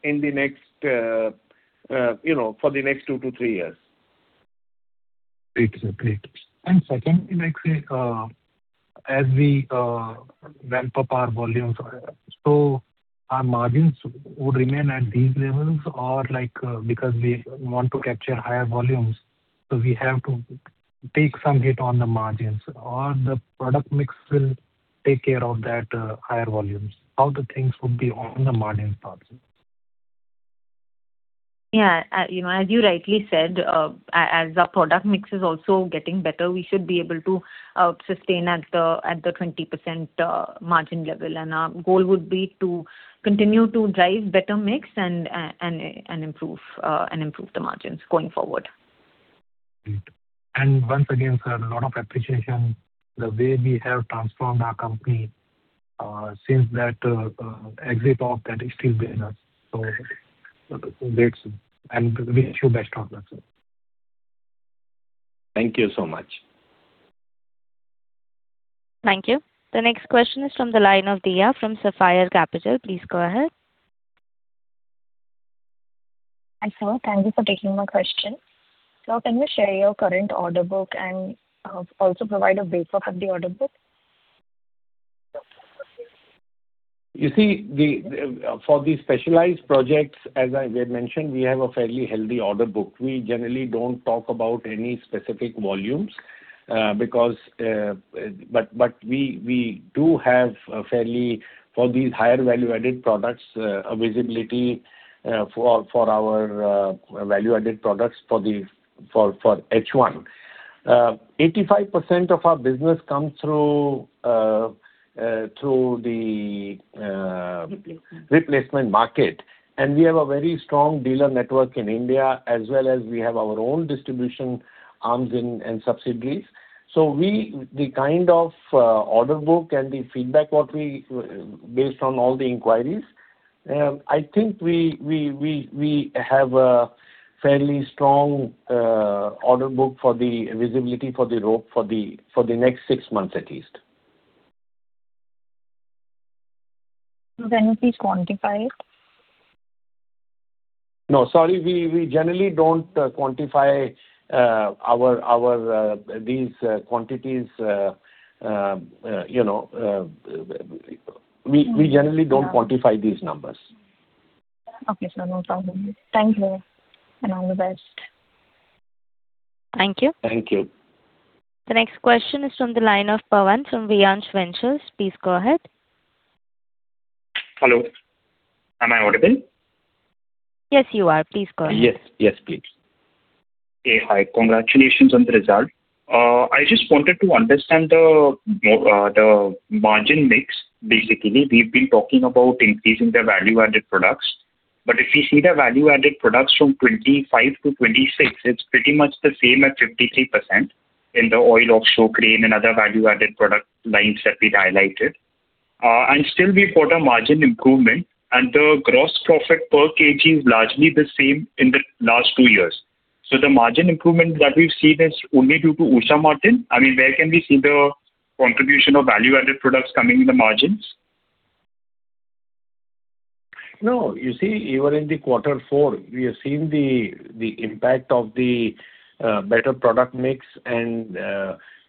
Speaker 3: you know, for the next two to three years.
Speaker 11: Great. Great. Second, like, say, as we ramp up our volumes, so our margins would remain at these levels or like, because we want to capture higher volumes, so we have to take some hit on the margins or the product mix will take care of that, higher volumes. How the things would be on the margin part?
Speaker 6: Yeah, you know, as you rightly said, as our product mix is also getting better, we should be able to sustain at the 20% margin level. Our goal would be to continue to drive better mix, and improve the margins going forward.
Speaker 11: Great. Once again, sir, lot of appreciation the way we have transformed our company, since that exit of that steel business. That's. Wish you best of luck, sir.
Speaker 3: Thank you so much.
Speaker 1: Thank you. The next question is from the line of Diya from Sapphire Capital. Please go ahead.
Speaker 12: Hi, sir. Thank you for taking my question. Sir, can you share your current order book and also provide a breakup of the order book?
Speaker 3: You see, the for the specialized projects, as I mentioned, we have a fairly healthy order book. We generally don't talk about any specific volumes because we do have a fairly, for these higher value-added products, a visibility for our value-added products for H1. 85% of our business comes through the-
Speaker 6: Replacement.
Speaker 3: Replacement market. We have a very strong dealer network in India, as well as we have our own distribution arms and subsidiaries. We the kind of order book and the feedback what we based on all the inquiries, I think we have a fairly strong order book for the visibility for the rope for the next six months at least.
Speaker 12: Can you please quantify it?
Speaker 3: No. Sorry. We generally don't quantify our these quantities, you know.
Speaker 12: Mm-hmm. Yeah.
Speaker 3: We generally don't quantify these numbers.
Speaker 12: Okay, sir. No problem. Thank you and all the best.
Speaker 1: Thank you.
Speaker 3: Thank you.
Speaker 1: The next question is from the line of Pawan from Viant Ventures. Please go ahead.
Speaker 13: Hello, am I audible?
Speaker 1: Yes, you are. Please go ahead.
Speaker 3: Yes. Yes, please.
Speaker 13: Okay. Hi. Congratulations on the result. I just wanted to understand the margin mix. Basically, we've been talking about increasing the value-added products. If you see the value-added products from 2025 to 2026, it's pretty much the same at 53% in the oil, offshore, crane and other value-added product lines that we've highlighted. Still we've got a margin improvement, and the gross profit per kilogram is largely the same in the last two years. The margin improvement that we've seen is only due to Usha Martin? I mean, where can we see the contribution of value-added products coming in the margins?
Speaker 3: No. You see, even in the quarter four, we have seen the impact of the better product mix and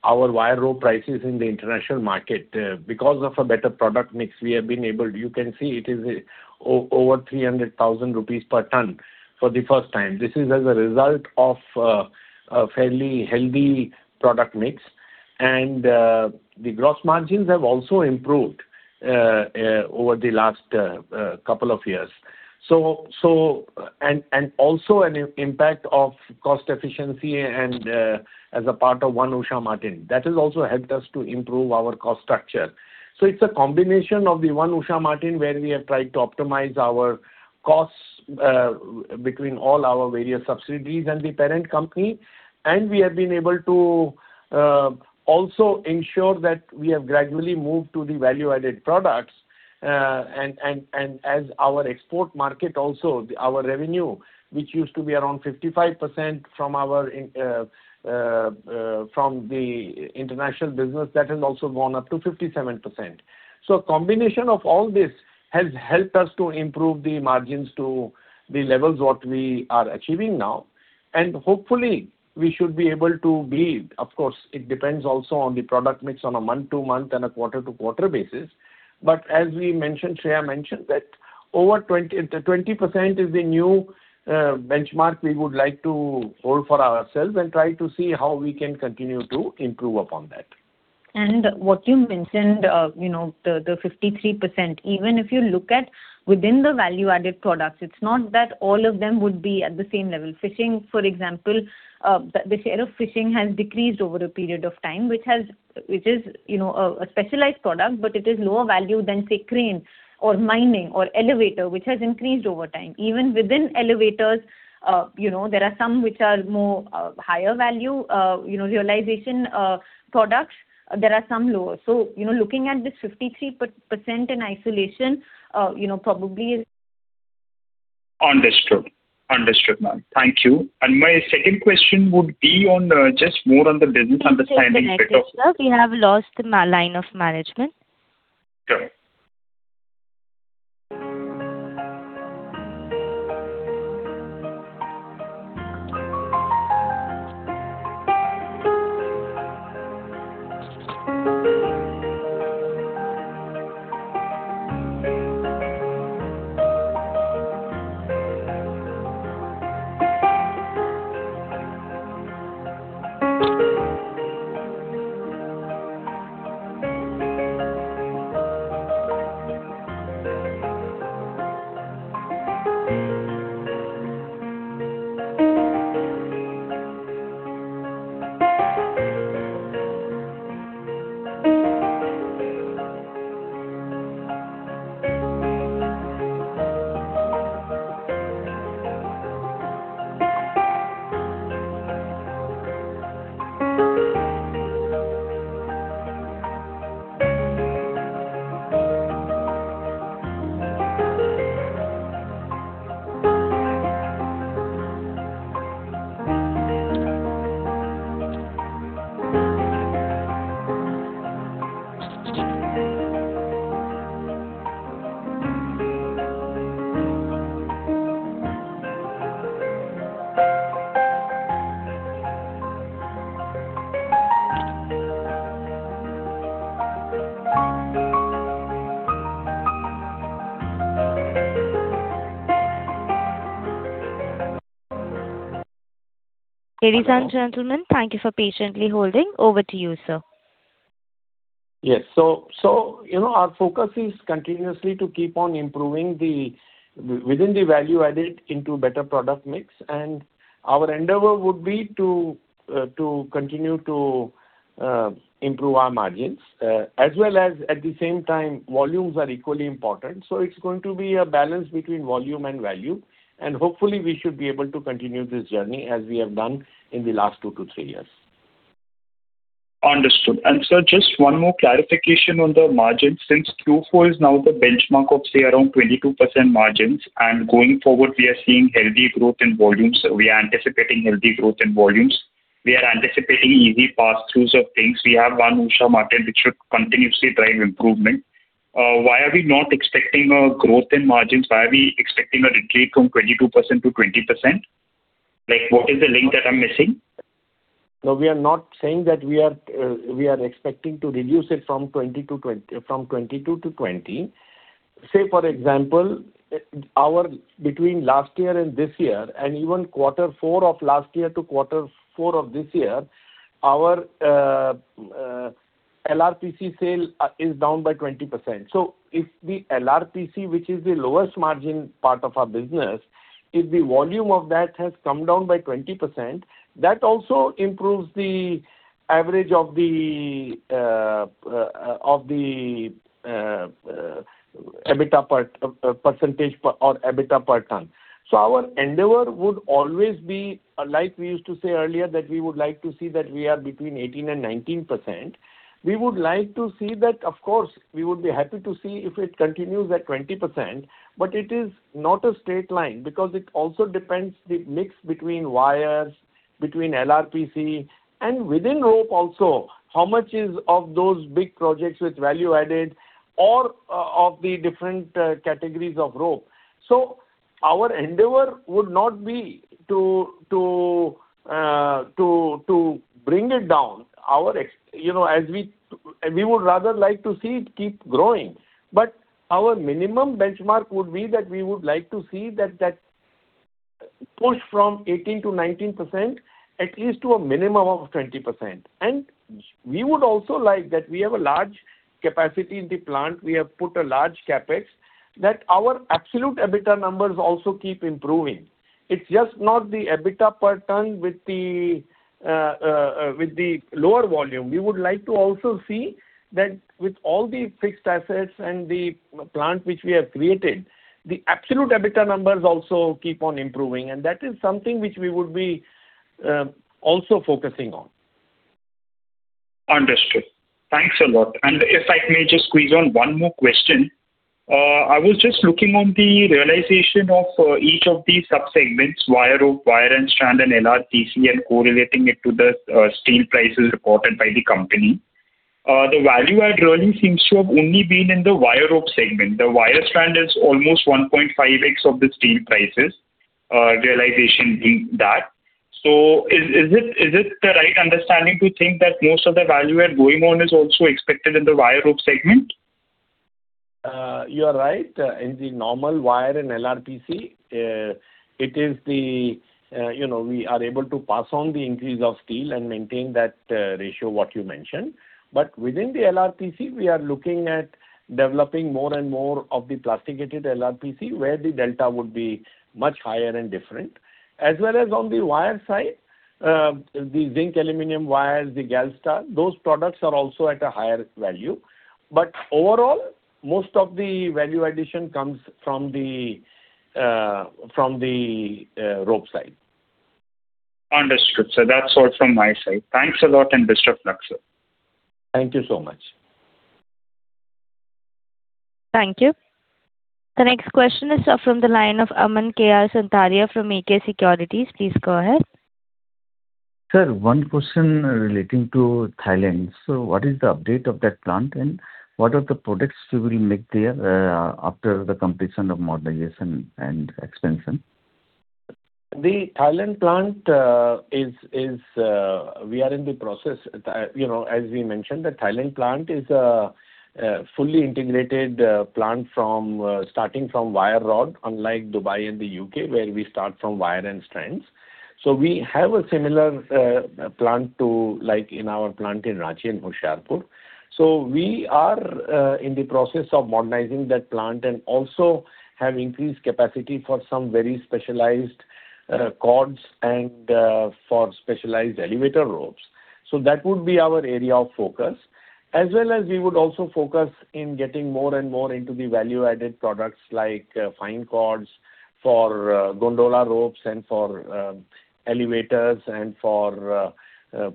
Speaker 3: our wire raw prices in the international market. Because of a better product mix, we have been able. You can see it is over 300,000 rupees per ton for the first time. This is as a result of a fairly healthy product mix. The gross margins have also improved over the last couple of years. Also an impact of cost efficiency and as a part of One Usha Martin. That has also helped us to improve our cost structure. It's a combination of the One Usha Martin, where we have tried to optimize our costs between all our various subsidiaries and the parent company, and we have been able to also ensure that we have gradually moved to the value-added products. As our export market also, our revenue, which used to be around 55% from our international business, that has also gone up to 57%. Combination of all this has helped us to improve the margins to the levels what we are achieving now. Hopefully we should be able to be. Of course, it depends also on the product mix on a month-to-month and a quarter-to-quarter basis. As we mentioned, Shreya mentioned that over 20%, 20% is the new benchmark we would like to hold for ourselves, and try to see how we can continue to improve upon that.
Speaker 6: What you mentioned, you know, the 53%, even if you look at within the value-added products, it's not that all of them would be at the same level. Fishing, for example, the share of fishing has decreased over a period of time, which is a specialized product, but it is lower value than, say, crane or mining or elevator, which has increased over time. Even within elevators, you know, there are some which are more higher value realization products. There are some lower. Looking at this 53% in isolation, you know.
Speaker 13: Understood. Understood, ma'am. Thank you. My second question would be on just more on the business understanding.
Speaker 1: Please check the network, sir. We have lost the line of management.
Speaker 13: Sure.
Speaker 1: Ladies and gentlemen, thank you for patiently holding. Over to you, sir.
Speaker 3: Yes. you know, our focus is continuously to keep on improving the within the value-added into better product mix. Our endeavor would be to continue to improve our margins, as well as at the same time, volumes are equally important. It's going to be a balance between volume and value, and hopefully we should be able to continue this journey as we have done in the last 2 years-3 years.
Speaker 13: Understood. Sir, just one more clarification on the margins. Since Q4 is now the benchmark of, say, around 22% margins, and going forward we are seeing healthy growth in volumes, we are anticipating healthy growth in volumes. We are anticipating easy pass-throughs of things. We have One Usha Martin, which should continuously drive improvement. Why are we not expecting a growth in margins? Why are we expecting a retreat from 22%-20%? Like, what is the link that I'm missing?
Speaker 3: No, we are not saying that we are expecting to reduce it from 22%-20%. Say, for example, our between last year and this year and even quarter four of last year to quarter four of this year, our LRPC sale is down by 20%. If the LRPC, which is the lowest margin part of our business, if the volume of that has come down by 20%, that also improves the average of the EBITDA percentage or EBITDA per ton. Our endeavor would always be, like we used to say earlier, that we would like to see that we are between 18% and 19%. We would like to see that of course, we would be happy to see if it continues at 20%, but it is not a straight line because it also depends the mix between wires, between LRPC and within rope also, how much is of those big projects with value added or of the different categories of rope. Our endeavor would not be to bring it down. You know, we would rather like to see it keep growing, but our minimum benchmark would be that we would like to see that that push from 18%-19% at least to a minimum of 20%. We would also like that we have a large capacity in the plant, we have put a large CapEx, that our absolute EBITDA numbers also keep improving. It's just not the EBITDA per ton with the lower volume. We would like to also see that with all the fixed assets and the plant which we have created, the absolute EBITDA numbers also keep on improving. That is something which we would be also focusing on.
Speaker 13: Understood. Thanks a lot. If I may just squeeze on one more question. I was just looking on the realization of each of the sub-segments, wire rope, wire and strand, and LRPC and correlating it to the steel prices reported by the company. The value add really seems to have only been in the wire rope segment. The wire strand is almost 1.5x of the steel prices realization in that. Is it the right understanding to think that most of the value add going on is also expected in the wire rope segment?
Speaker 3: You are right. In the normal wire and LRPC, it is the, you know, we are able to pass on the increase of steel and maintain that ratio what you mentioned. Within the LRPC we are looking at developing more and more of the plasticated LRPC, where the delta would be much higher and different. As well as on the wire side, the zinc aluminum wires, the GALSTAR, those products are also at a higher value. Overall, most of the value addition comes from the, from the, rope side.
Speaker 13: Understood, sir. That's all from my side. Thanks a lot and best of luck, sir.
Speaker 3: Thank you so much.
Speaker 1: Thank you. The next question is from the line of Aman KR Sonthalia from AK Securities. Please go ahead.
Speaker 5: Sir, one question relating to Thailand. What is the update of that plant, and what are the products you will make there after the completion of modernization and expansion?
Speaker 3: The Thailand plant, we are in the process. You know, as we mentioned, the Thailand plant is a fully integrated plant from starting from wire rod, unlike Dubai and the U.K., where we start from wire and strands. We have a similar plant to like in our plant in Ranchi and Hoshiarpur. We are in the process of modernizing that plant and also have increased capacity for some very specialized cords and for specialized elevator ropes. That would be our area of focus. As well as we would also focus in getting more and more into the value-added products like fine cords for gondola ropes and for elevators and for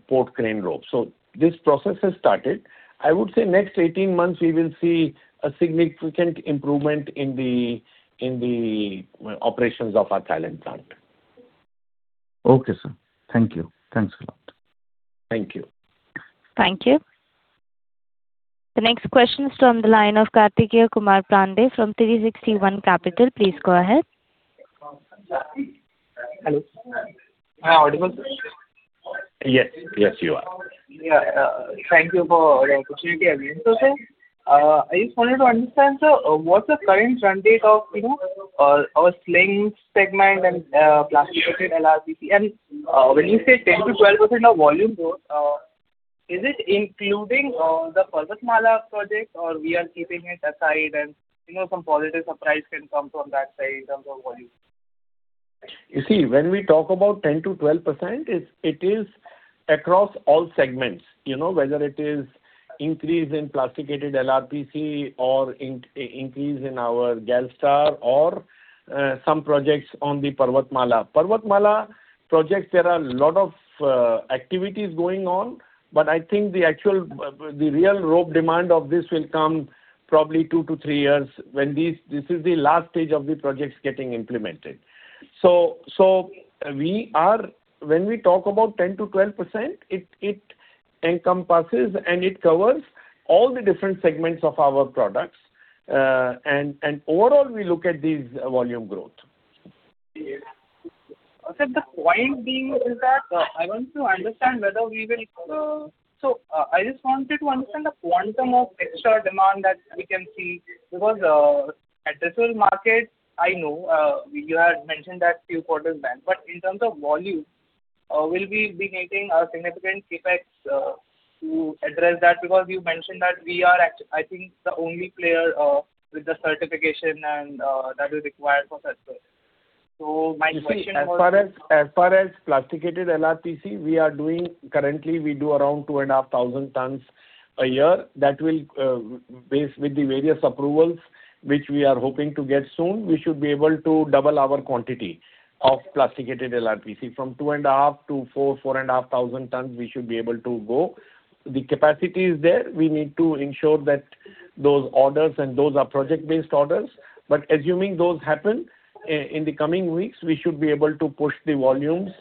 Speaker 3: port crane ropes. This process has started. I would say next 18 months we will see a significant improvement in the operations of our Thailand plant.
Speaker 5: Okay, sir. Thank you. Thanks a lot.
Speaker 3: Thank you.
Speaker 1: Thank you. The next question is from the line of Kartikeya Kumar Pandey from 360 ONE Capital. Please go ahead.
Speaker 10: Hello. Am I audible?
Speaker 3: Yes. Yes, you are.
Speaker 10: Yeah. Thank you for the opportunity again, sir. I just wanted to understand, sir, what's the current run rate of, you know, our slings segment and plasticated LRPC Strand? When you say 10%-12% of volume growth, is it including the Parvatmala project or we are keeping it aside and, you know, some positive surprise can come from that side in terms of volume?
Speaker 3: You see, when we talk about 10%-12%, it is across all segments, you know, whether it is increase in plasticated LRPC or increase in our GALSTAR or some projects on the Parvatmala. Parvatmala projects there are lot of activities going on, but I think the actual the real rope demand of this will come probably 2 years-3 years. This is the last stage of the projects getting implemented. When we talk about 10%-12%, it encompasses and it covers all the different segments of our products. Overall we look at this volume growth.
Speaker 10: Sir, why is being is that, I want to understand whether we will, I just wanted to understand the quantum of extra demand that we can see, because, addressable market, I know, you had mentioned that few quarters back. In terms of volume, will we be making a significant CapEx to address that? You mentioned that we are I think the only player with the certification and that is required for such work. My question was.
Speaker 3: You see, as far as plasticated LRPC, we are doing. Currently we do around 2,500 tons a year. That will, base with the various approvals, which we are hoping to get soon, we should be able to double our quantity of plasticated LRPC from 2,500 tons-4,000 tons-4,500 tons we should be able to go. The capacity is there. We need to ensure that those orders, and those are project-based orders. Assuming those happen in the coming weeks, we should be able to push the volumes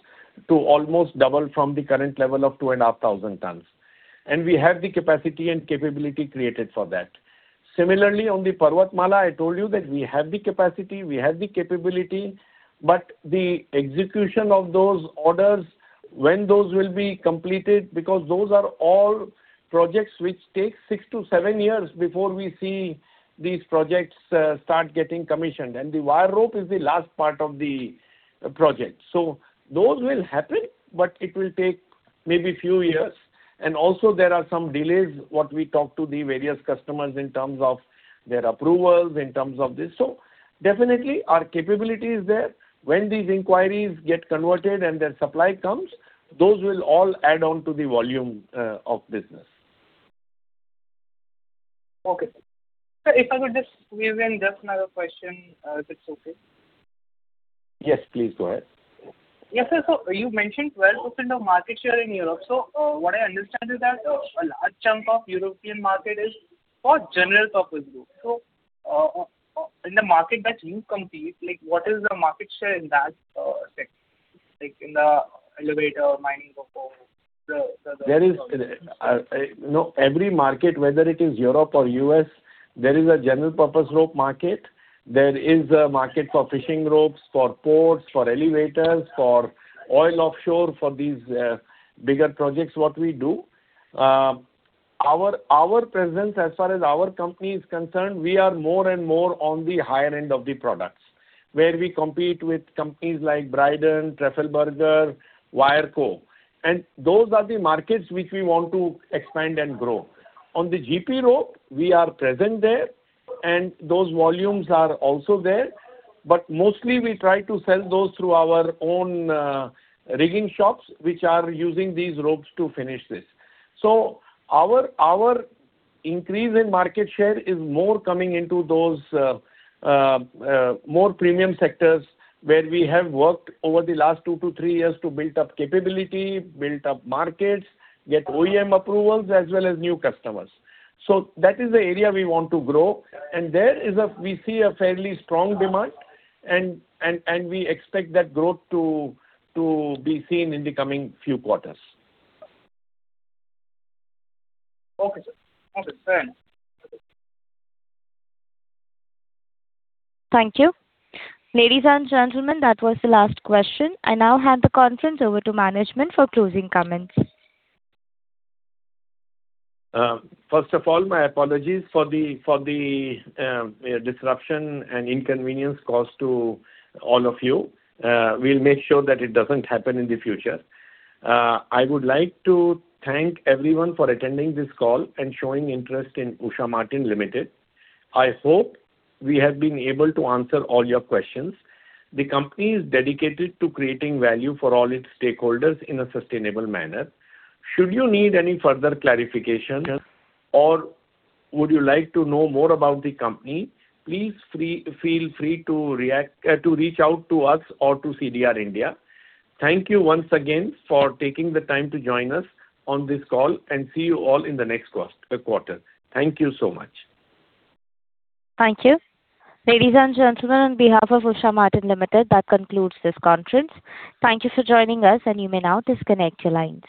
Speaker 3: to almost double from the current level of 2,500 tons. We have the capacity and capability created for that. Similarly, on the Parvatmala, I told you that we have the capacity, we have the capability, but the execution of those orders, when those will be completed, because those are all projects which take 6 years-7 years before we see these projects start getting commissioned. The Wire Rope is the last part of the project. Those will happen, but it will take maybe few years. Also there are some delays, what we talked to the various customers in terms of their approvals, in terms of this. Definitely our capability is there. When these inquiries get converted and their supply comes, those will all add on to the volume of business.
Speaker 10: Okay. Sir, if I could just weave in just another question, if it's okay.
Speaker 3: Yes, please go ahead.
Speaker 10: Yes, sir. You mentioned 12% of market share in Europe. What I understand is that a large chunk of European market is for general purpose rope. In the market that you compete, like what is the market share in that sector, like in the elevator, mining purpose?
Speaker 3: There is, you know, every market, whether it is Europe or U.S., there is a general purpose rope market. There is a market for fishing ropes, for ports, for elevators, for oil offshore, for these bigger projects, what we do. Our, our presence, as far as our company is concerned, we are more and more on the higher end of the products, where we compete with companies like Bridon, Teufelberger, WireCo. Those are the markets which we want to expand and grow. On the GP rope, we are present there, and those volumes are also there. Mostly we try to sell those through our own rigging shops, which are using these ropes to finish this. Our increase in market share is more coming into those more premium sectors where we have worked over the last 2 years to 3 years to build up capability, build up markets, get OEM approvals as well as new customers. That is the area we want to grow. There is a we see a fairly strong demand and we expect that growth to be seen in the coming few quarters.
Speaker 10: Okay, sir. Okay, thanks.
Speaker 1: Thank you. Ladies and gentlemen, that was the last question. I now hand the conference over to management for closing comments.
Speaker 3: First of all, my apologies for the disruption and inconvenience caused to all of you. We'll make sure that it doesn't happen in the future. I would like to thank everyone for attending this call, and showing interest in Usha Martin Limited. I hope we have been able to answer all your questions. The company is dedicated to creating value for all its stakeholders in a sustainable manner. Should you need any further clarification or would you like to know more about the company, please feel free to reach out to us or to CDR India. Thank you once again for taking the time to join us on this call, and see you all in the next quarter. Thank you so much.
Speaker 1: Thank you. Ladies and gentlemen, on behalf of Usha Martin Limited, that concludes this conference. Thank you for joining us, and you may now disconnect your lines.